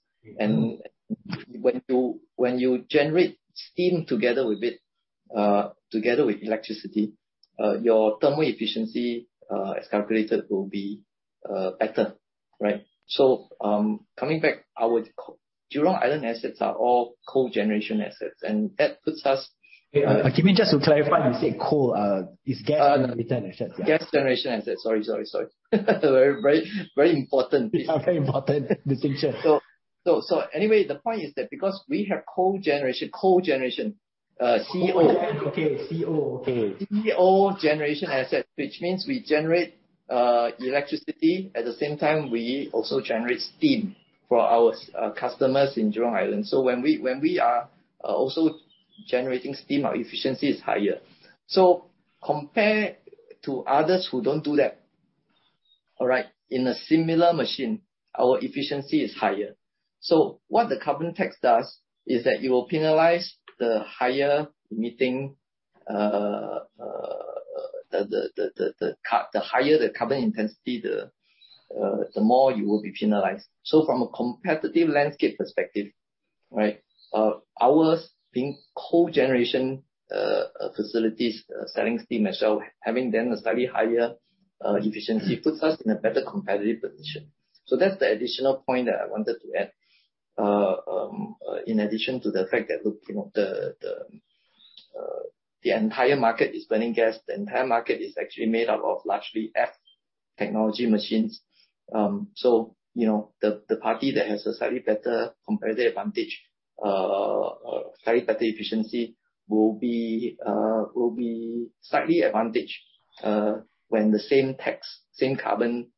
When you generate steam together with it, together with electricity, your thermal efficiency, as calculated, will be better, right? Coming back, our Jurong Island assets are all cogeneration assets, and that puts us- Kim Yin, just to clarify, you said coal. It's gas and renewable assets. Yeah. Gas generation assets. Sorry. Very important. Yeah, very important distinction. Anyway, the point is that because we have cogeneration. Okay, C-O. Okay. Cogeneration assets, which means we generate electricity. At the same time, we also generate steam for our customers in Jurong Island. When we are also generating steam, our efficiency is higher. Compared to others who don't do that, all right, in a similar machine, our efficiency is higher. What the carbon tax does is that you will penalize the higher emitting. The higher the carbon intensity, the more you will be penalized. From a competitive landscape perspective- Right. Ours being cogeneration facilities, selling steam as well, having then a slightly higher efficiency, puts us in a better competitive position. That's the additional point that I wanted to add. In addition to the fact that, look, you know, the entire market is burning gas. The entire market is actually made up of largely F-class technology machines. You know, the party that has a slightly better competitive advantage, slightly better efficiency will be slightly advantaged when the same tax, same carbon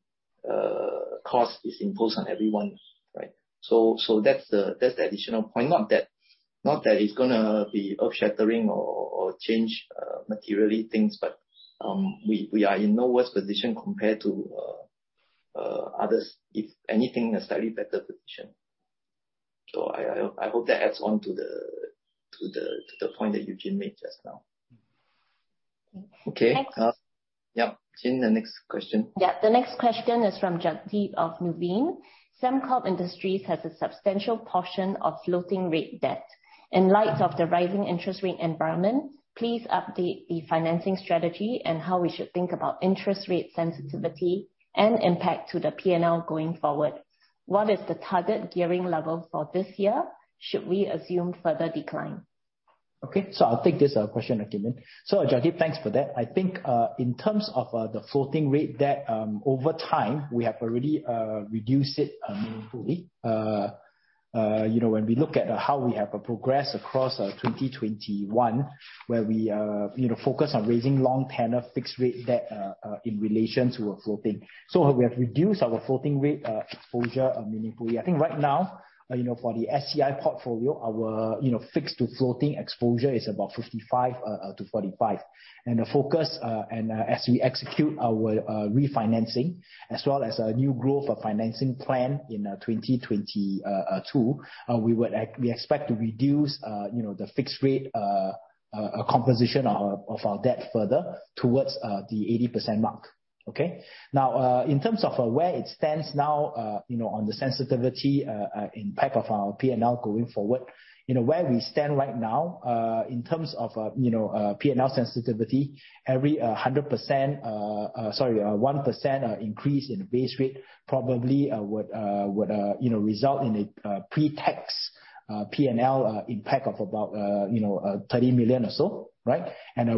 cost is imposed on everyone, right? That's the additional point. Not that it's gonna be earth-shattering or change materially things, but we are in no worse position compared to others. If anything, a slightly better position. I hope that adds on to the point that Eugene made just now. Okay. Okay. Next. Yeah. Jin, the next question. Yeah, the next question is from Jagdeep of Nuveen. Sembcorp Industries has a substantial portion of floating rate debt. In light of the rising interest rate environment, please update the financing strategy and how we should think about interest rate sensitivity and impact to the PNL going forward. What is the target gearing level for this year? Should we assume further decline? Okay, I'll take this question, Xin Jin. Jagdeep, thanks for that. I think in terms of the floating rate debt, over time, we have already reduced it meaningfully. You know, when we look at how we have progressed across 2021, where we, you know, focus on raising long tenor fixed rate debt in relation to our floating. We have reduced our floating rate exposure meaningfully. I think right now, you know, for the SEI portfolio, our fixed to floating exposure is about 55%-45%. The focus, as we execute our refinancing as well as our new growth financing plan in 2022, we expect to reduce, you know, the fixed-rate composition of our debt further towards the 80% mark. Okay? In terms of where it stands now, you know, on the sensitivity impact of our P&L going forward, you know, where we stand right now, in terms of, you know, P&L sensitivity, every 1% increase in base rate probably would, you know, result in a pre-tax P&L impact of about, you know, 30 million or so, right?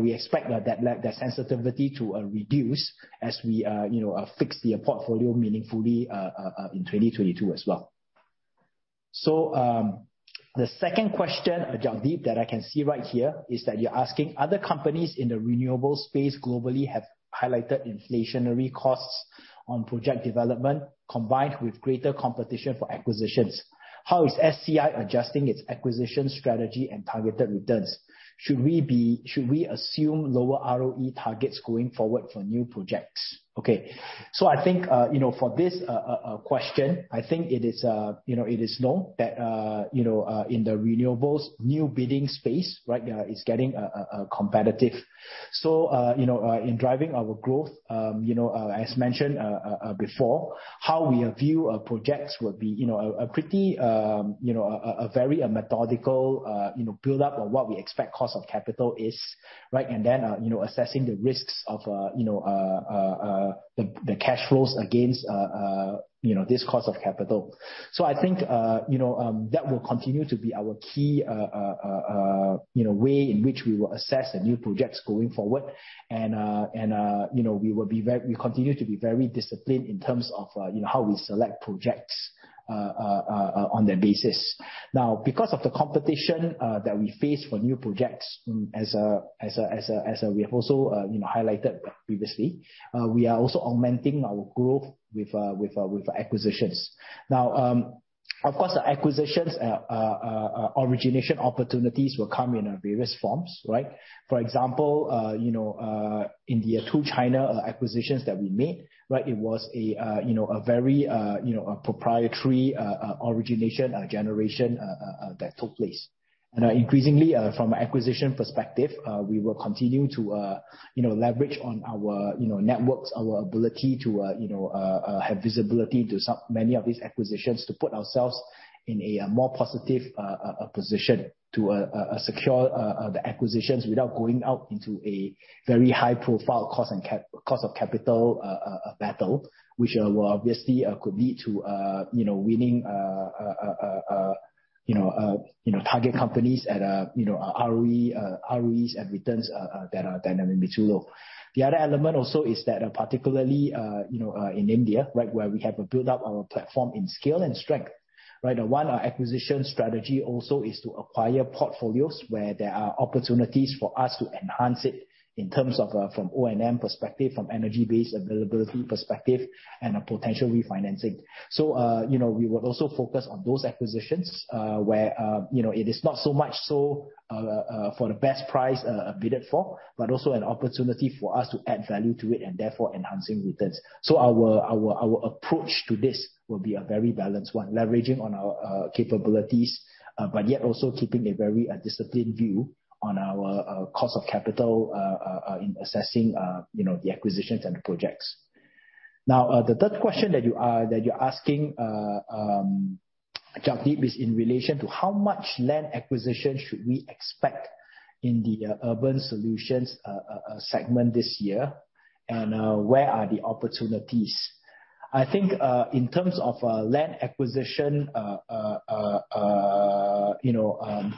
We expect that sensitivity to reduce as we, you know, fix the portfolio meaningfully in 2022 as well. The second question, Jagdeep, that I can see right here is that you're asking other companies in the renewable space globally have highlighted inflationary costs on project development combined with greater competition for acquisitions. How is SEI adjusting its acquisition strategy and targeted returns? Should we assume lower ROE targets going forward for new projects? Okay. I think, you know, for this question, I think it is, you know, it is known that, you know, in the renewables new bidding space, right, is getting competitive. You know, in driving our growth, you know, as mentioned before, how we view our projects would be you know a pretty you know a very methodical you know build-up of what we expect cost of capital is, right? Then you know assessing the risks of you know the cash flows against you know this cost of capital. I think you know that will continue to be our key you know way in which we will assess the new projects going forward. You know we continue to be very disciplined in terms of you know how we select projects on that basis. Now, because of the competition that we face for new projects, we have also, you know, highlighted previously, we are also augmenting our growth with acquisitions. Now, of course, the acquisitions and origination opportunities will come in various forms, right? For example, you know, in India, two in China acquisitions that we made, right? It was a very, you know, proprietary origination that took place. Increasingly, from an acquisition perspective, we will continue to, you know, leverage on our, you know, networks, our ability to, you know, have visibility to many of these acquisitions to put ourselves in a more positive position to secure the acquisitions without going out into a very high-profile cost and cost of capital battle, which will obviously could lead to, you know, winning target companies at a, you know, ROE, ROEs and returns that are maybe too low. The other element also is that particularly, you know, in India, right, where we have built up our platform in scale and strength, right? One, our acquisition strategy also is to acquire portfolios where there are opportunities for us to enhance it in terms of, from O&M perspective, from energy-based availability perspective, and a potential refinancing. You know, we would also focus on those acquisitions, where, you know, it is not so much for the best price bid for, but also an opportunity for us to add value to it and therefore enhancing returns. Our approach to this will be a very balanced one, leveraging on our capabilities, but yet also keeping a very disciplined view on our cost of capital in assessing you know the acquisitions and the projects. The third question that you're asking, Jagdeep, is in relation to how much land acquisition should we expect in the Urban Solutions segment this year, and where are the opportunities? I think in terms of land acquisition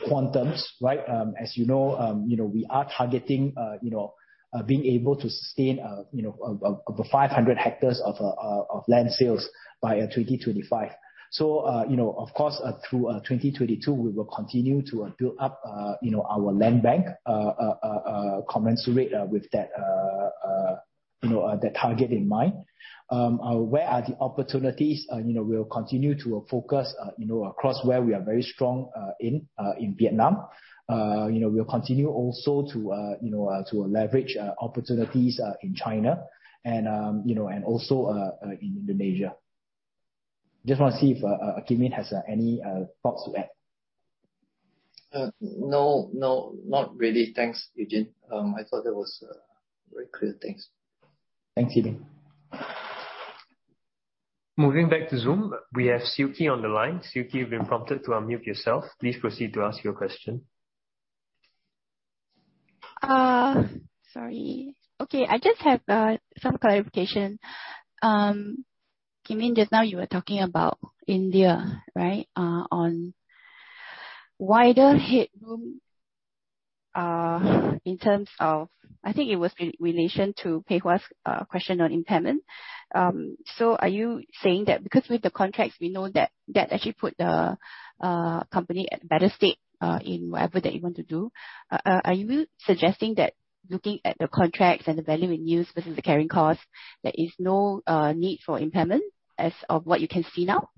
quantums, right? As you know, we are targeting being able to sustain over 500 hectares of land sales by 2025. You know, of course, through 2022, we will continue to build up, you know, our land bank, commensurate with that, you know, that target in mind. Where are the opportunities? You know, we'll continue to focus, you know, across where we are very strong in Vietnam. You know, we'll continue also to, you know, to leverage opportunities in China and, you know, and also in Indonesia. Just wanna see if Kim Yin has any thoughts to add. No, not really. Thanks, Eugene. I thought that was very clear. Thanks. Thanks, Kim Yin. Moving back to Zoom, we have Suki on the line. Suki, you've been prompted to unmute yourself. Please proceed to ask your question. Sorry. Okay, I just have some clarification. Kim Yin, just now you were talking about India, right? On wider headroom in terms of I think it was in relation to Pei Hwa Ho's question on impairment. Are you saying that because with the contracts we know that actually put the company at a better state in whatever that you want to do? Are you suggesting that looking at the contracts and the value in use versus the carrying cost, there is no need for impairment as of what you can see now?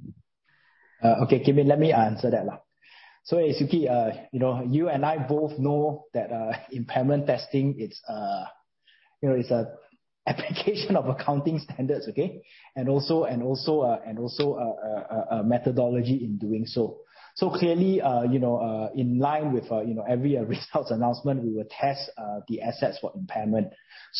Okay, Kim Yin, let me answer that one. Suki, you know, you and I both know that, impairment testing, it's, you know, it's an application of accounting standards, okay? And also a methodology in doing so. Clearly, you know, in line with, you know, every results announcement, we will test the assets for impairment.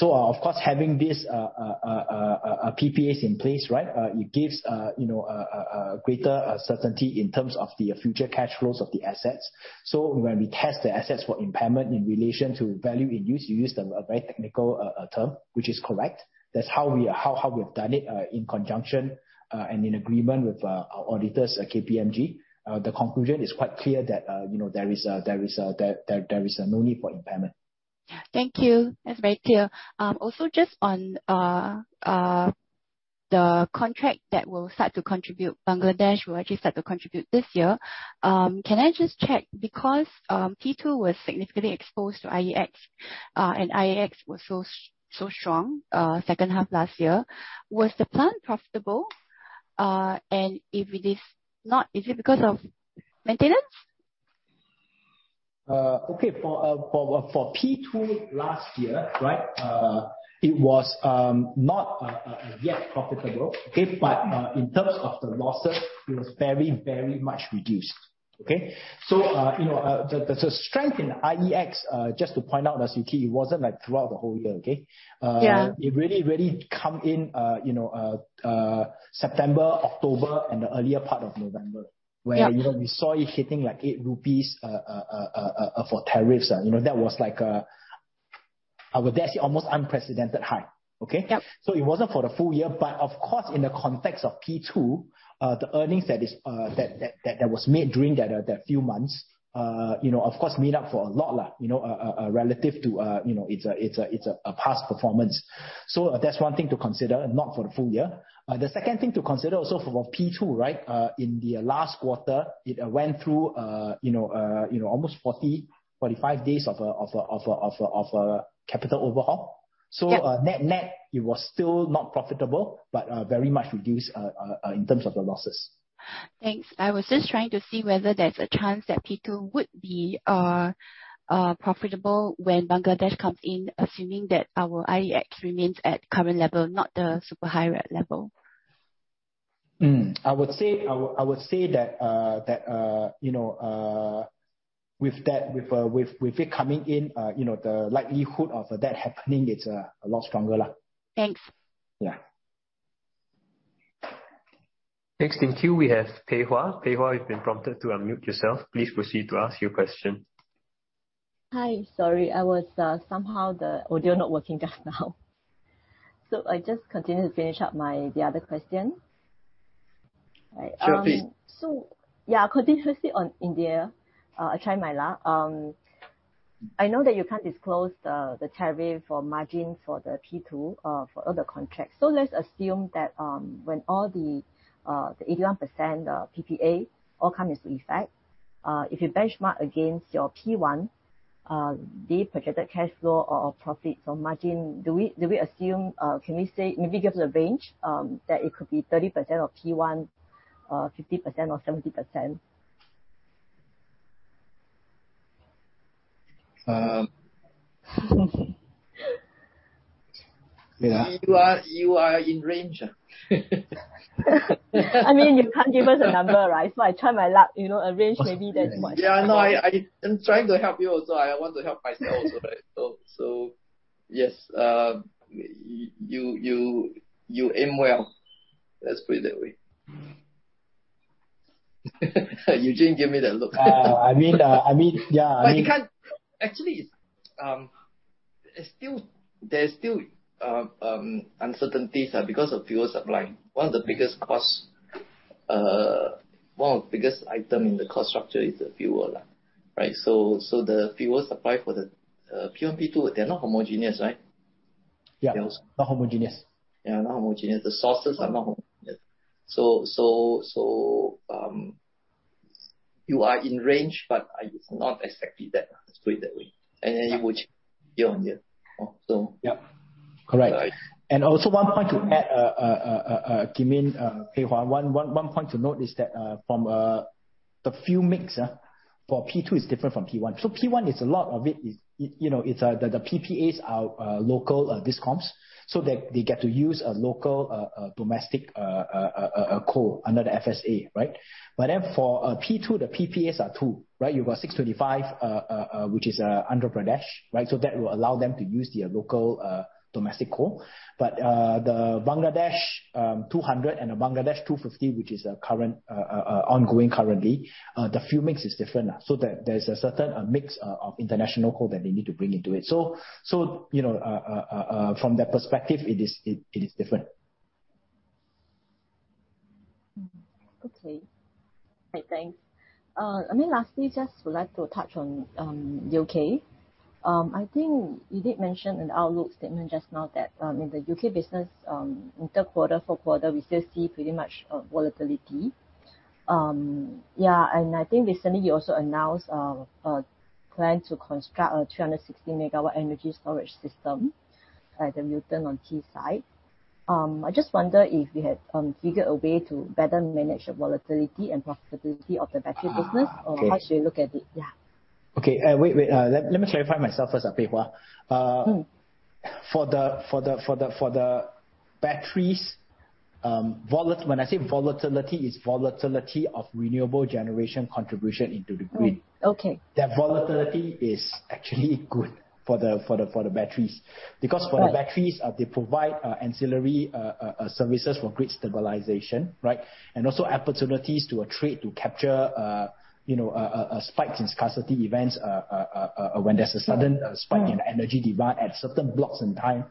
Of course, having this PPAs in place, right, it gives, you know, a greater certainty in terms of the future cash flows of the assets. When we test the assets for impairment in relation to value in use, you use the, a very technical term, which is correct. That's how we are, how we've done it in conjunction and in agreement with our auditors at KPMG. The conclusion is quite clear that, you know, there is no need for impairment. Thank you. That's very clear. Also just on the contract that will start to contribute, Bangladesh will actually start to contribute this year. Can I just check because P2 was significantly exposed to IEX, and IEX was so strong second half last year. Was the plant profitable? And if it is not, is it because of maintenance? Okay. For P2 last year, right, it was not yet profitable. Okay. In terms of the losses, it was very much reduced. Okay? You know, the strength in IEX, just to point out Suki, it wasn't like throughout the whole year. Okay? Yeah. It really come in, you know, September, October, and the earlier part of November. Yeah. where, you know, we saw it hitting like 8 rupees for tariffs. You know, that was like, I would say almost unprecedented high. Okay? Yeah. It wasn't for the full year. Of course, in the context of P2, the earnings that was made during that few months, you know, of course, made up for a lot, you know, relative to, you know, it's a past performance. That's one thing to consider, not for the full year. The second thing to consider also for P2, right, in the last quarter, it went through, you know, almost 40-45 days of a capital overhaul. Yeah. Net, it was still not profitable but very much reduced in terms of the losses. Thanks. I was just trying to see whether there's a chance that P2 would be profitable when Bangladesh comes in, assuming that our IEX remains at current level, not the super high level? I would say that you know, with it coming in, you know, the likelihood of that happening, it's a lot stronger. Thanks. Yeah. Next in queue we have Pei Hwa Ho. Pei Hwa Ho, you've been prompted to unmute yourself. Please proceed to ask your question. Hi. Sorry, I was somehow the audio not working just now. I just continue to finish up my, the other question. Right. Sure thing. Yeah, continuously on India, I'll try my luck. I know that you can't disclose the tariff or margin for the P2 for other contracts. Let's assume that when all the 81% PPA come into effect, if you benchmark against your P1, the projected cash flow or profit or margin, do we assume, can we say, maybe give us a range that it could be 30% of P1, or 50% or 70%? You know. You are in range. I mean, you can't give us a number, right? I try my luck, you know, a range, maybe that's what. Yeah. No, I am trying to help you also. I want to help myself also, right? Yes, you aim well, let's put it that way. You didn't give me that look. I mean, yeah. Actually, it's still, there's still uncertainties because of fuel supply. One of the biggest costs, one of the biggest item in the cost structure is the fuel, right? The fuel supply for the PMP 2, they're not homogeneous, right? Yeah. Not homogeneous. Yeah, not homogeneous. The sources are not homogeneous. You are in range, but I. It's not exactly that, let's put it that way. It would change year on year. Also one point to add, Kim Lim, Pei Hwa. One point to note is that the fuel mix for P2 is different from P1. P1 is a lot of it is, you know, it's the PPAs are local discoms, so they get to use a local domestic coal under the FSA, right? But then for P2, the PPAs are too, right? You've got 625, which is under Andhra Pradesh, right? So that will allow them to use their local domestic coal. The Bangladesh 200 and Bangladesh 250, which is currently ongoing, the fuel mix is different. So there's a certain mix of international coal that they need to bring into it. From that perspective, it is different. Okay. Right. Thanks. I mean, lastly, just would like to touch on U.K. I think you did mention an outlook statement just now that in the U.K. business, intra-quarter Q4, we still see pretty much volatility. Yeah, and I think recently you also announced plan to construct a 360 MW energy storage system at the Newton Aycliffe site. I just wonder if you had figured a way to better manage the volatility and profitability of the battery business. Okay. Or how should you look at it? Yeah. Okay. Wait. Let me clarify myself first, Pei Hwa. For the batteries, when I say volatility, it's volatility of renewable generation contribution into the grid. Okay. That volatility is actually good for the batteries. Right. Because for the batteries, they provide ancillary services for grid stabilization, right? And also opportunities to arbitrage, you know, a spike in scarcity events, when there's a sudden spike. In energy demand at certain blocks and time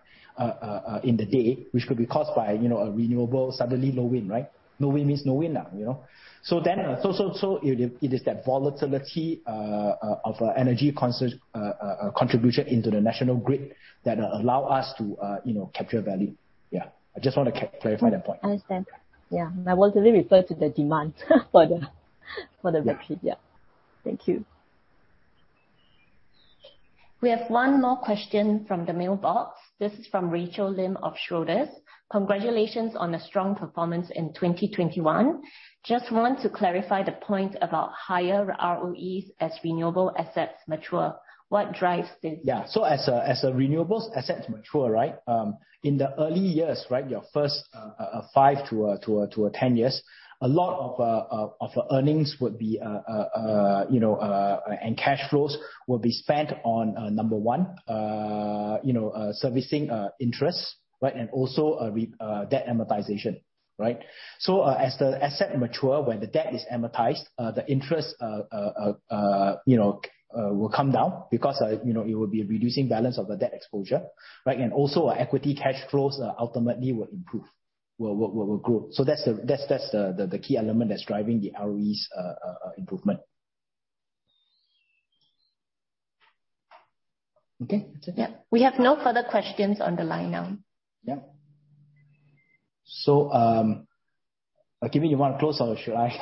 in the day, which could be caused by, you know, a renewable suddenly low wind, right? No wind means no wind now, you know. It is that volatility of energy contribution into the national grid that allow us to, you know, capture value. Yeah. I just want to clarify that point. Understand. Yeah. I voluntarily refer to the demand for the battery. Yeah. Yeah. Thank you. We have one more question from the mailbox. This is from Rachel Lim of Schroders. Congratulations on the strong performance in 2021. Just want to clarify the point about higher ROEs as renewable assets mature. What drives this? Yeah. As a renewables asset mature, right? In the early years, right? Your first 5-10 years, a lot of earnings would be, you know, and cash flows will be spent on number one, you know, servicing interest, right? And also debt amortization, right? As the asset mature when the debt is amortized, the interest will come down because, you know, it would be reducing balance of the debt exposure, right? And also our equity cash flows ultimately will improve. Will grow. That's the key element that's driving the ROEs improvement. Okay. That's it. Yeah. We have no further questions on the line now. Yeah. Kim Yin, you wanna close or should I?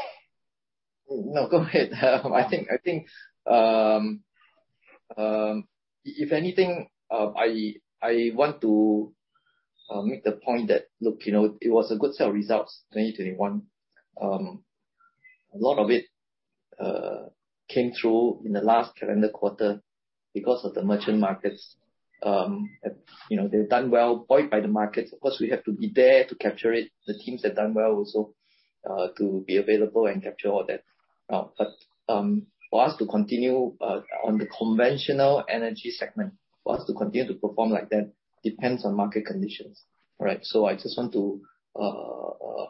No, go ahead. I think if anything, I want to make the point that, look, you know, it was a good set of results, 2021. A lot of it came through in the last calendar quarter because of the merchant markets. You know, they've done well, buoyed by the markets. Of course, we have to be there to capture it. The teams have done well also to be available and capture all that. For us to continue on the conventional energy segment, for us to continue to perform like that depends on market conditions, right? I just want to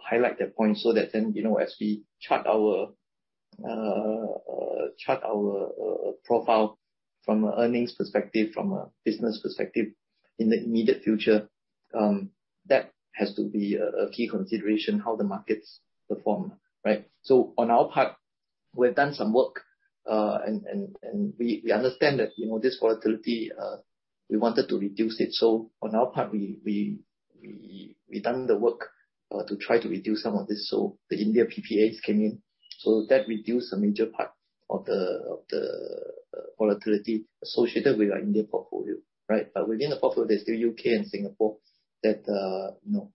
highlight that point so that then, you know, as we chart our profile from an earnings perspective, from a business perspective in the immediate future, that has to be a key consideration, how the markets perform, right? On our part, we've done some work and we've done the work to try to reduce some of this. The India PPAs came in. That reduced a major part of the volatility associated with our India portfolio, right? Within the portfolio, there's still U.K. and Singapore that you know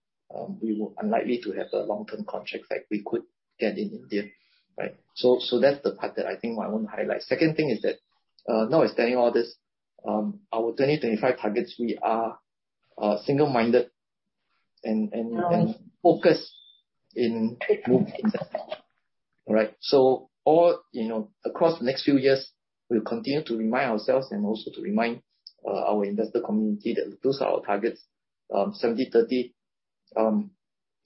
we were unlikely to have the long-term contracts like we could get in India, right? That's the part that I think I want to highlight. Second thing is that. Now extending all this, our 2025 targets, we are single-minded and focused in groups. All right. All across the next few years, we'll continue to remind ourselves and also to remind our investor community that those are our targets. 70/30,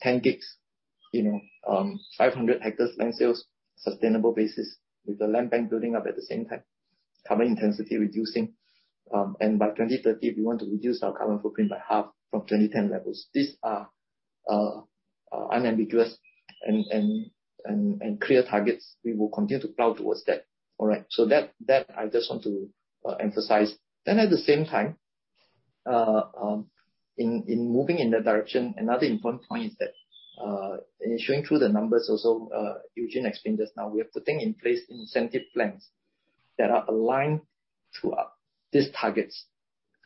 10 GW, 500 hectares land sales, sustainable basis with the land bank building up at the same time, carbon intensity reducing. By 2030, we want to reduce our carbon footprint by half from 2010 levels. These are unambiguous and clear targets. We will continue to plow towards that. All right. That I just want to emphasize. At the same time, in moving in that direction, another important point is that, in showing through the numbers also, Eugene explained this, now we are putting in place incentive plans that are aligned to our these targets.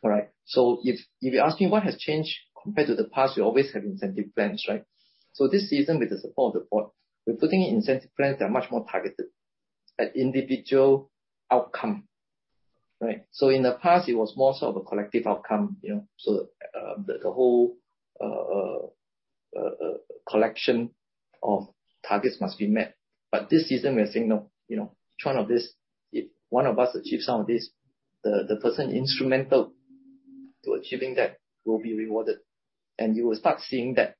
All right? If you're asking what has changed compared to the past, we always have incentive plans, right? This season, with the support of the board, we're putting in incentive plans that are much more targeted at individual outcome. Right? In the past, it was more sort of a collective outcome, you know, so the whole collection of targets must be met. This season we are saying, no, you know, each one of this, if one of us achieves some of this, the person instrumental to achieving that will be rewarded. You will start seeing that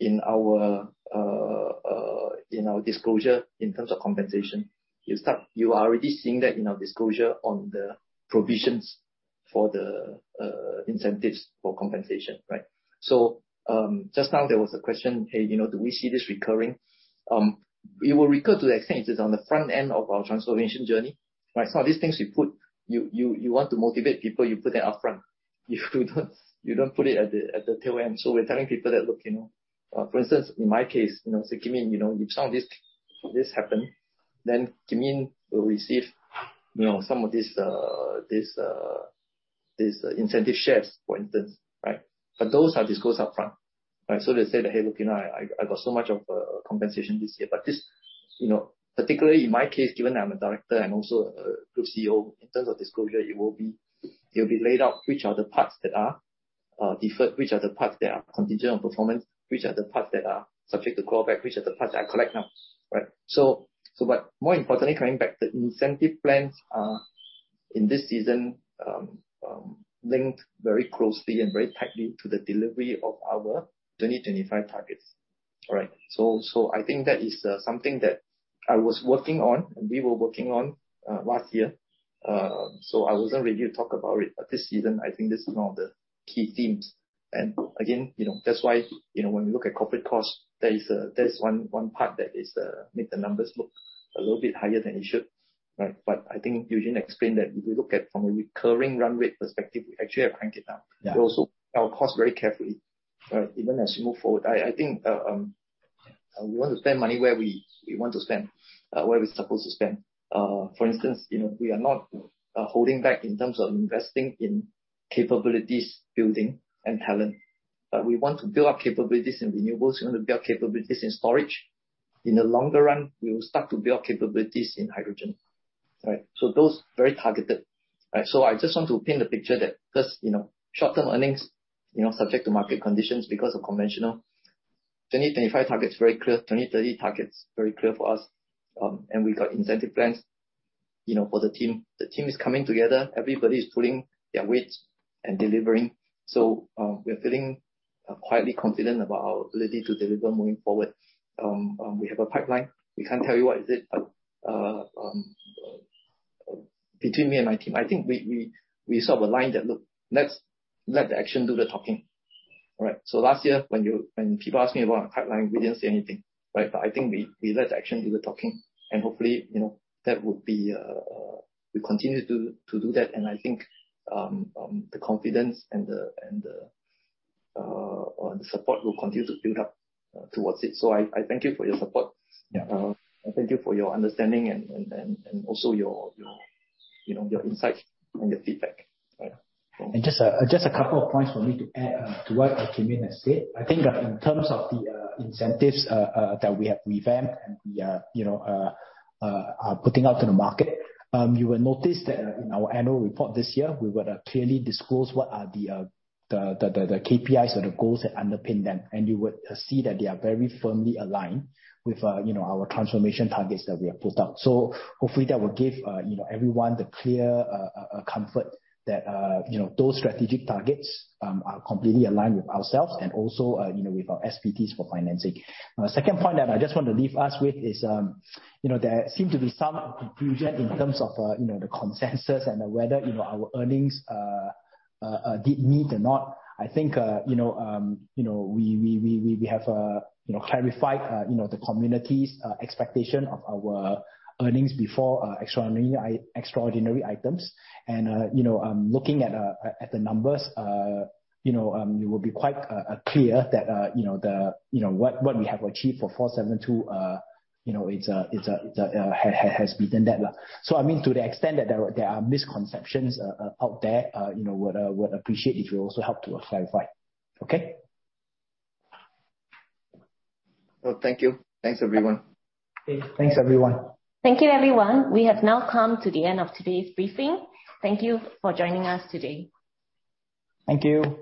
in our disclosure in terms of compensation. You are already seeing that in our disclosure on the provisions for the incentives for compensation, right? Just now there was a question, hey, you know, do we see this recurring? It will recur to the extent it is on the front end of our transformation journey, right? Some of these things you put, you want to motivate people, you put that up front. You don't put it at the tail end. We're telling people that, look, you know, for instance, in my case, you know, say Kim, you know, if some of this happen, then Kim will receive, you know, some of this incentive shares, for instance, right? Those are disclosed up front, right? They say that, "Hey, look, you know, I got so much of compensation this year." This, you know, particularly in my case, given that I'm a director and also a Group CEO, in terms of disclosure, it'll be laid out which are the parts that are deferred, which are the parts that are contingent on performance, which are the parts that are subject to clawback, which are the parts I collect now, right? More importantly, coming back to incentive plans are, in this section, linked very closely and very tightly to the delivery of our 2025 targets. All right. I think that is something that I was working on and we were working on last year. I wasn't ready to talk about it, but this season, I think this is one of the key themes. Again, you know, that's why, you know, when we look at corporate costs, there is one part that is making the numbers look a little bit higher than it should, right? I think Eugene explained that if we look at it from a recurring run rate perspective, we actually have cranked it down. Yeah. We also watch our cost very carefully, right? Even as we move forward. I think we want to spend money where we're supposed to spend. For instance, you know, we are not holding back in terms of investing in capabilities, building and talent. We want to build our capabilities in renewables. We want to build our capabilities in storage. In the longer run, we will start to build capabilities in hydrogen. Right? So those very targeted. Right? So I just want to paint a picture that just, you know, short-term earnings, you know, subject to market conditions because of conventional. 2025 target's very clear. 2030 target's very clear for us. We got incentive plans, you know, for the team. The team is coming together. Everybody is pulling their weights and delivering. We're feeling quietly confident about our ability to deliver moving forward. We have a pipeline. We can't tell you what is it. Between me and my team, I think we sort of aligned that, look, let's let the action do the talking. All right? Last year when people asked me about our pipeline, we didn't say anything, right? I think we let the action do the talking, and hopefully, you know, that would be, we continue to do that, and I think the confidence and the support will continue to build up towards it. I thank you for your support. Yeah. Thank you for your understanding and also, you know, your insights and your feedback. Yeah. Just a couple of points for me to add to what Kim has said. I think that in terms of the incentives that we have revamped and we are, you know, are putting out to the market, you will notice that in our annual report this year, we will clearly disclose what are the KPIs or the goals that underpin them. You would see that they are very firmly aligned with, you know, our transformation targets that we have put out. Hopefully that will give, you know, everyone the clear comfort that, you know, those strategic targets are completely aligned with ourselves and also, you know, with our SPTs for financing. Second point that I just want to leave us with is, you know, there seem to be some confusion in terms of, you know, the consensus and whether, you know, our earnings did meet or not. I think, you know, we have clarified, you know, the consensus expectation of our earnings before extraordinary items. Looking at the numbers, you know, you will be quite clear that, you know, what we have achieved for 472 has beaten that. I mean, to the extent that there are misconceptions out there, you know, I would appreciate if you also help to clarify. Okay? Well, thank you. Thanks, everyone. Thanks, everyone. Thank you, everyone. We have now come to the end of today's briefing. Thank you for joining us today. Thank you.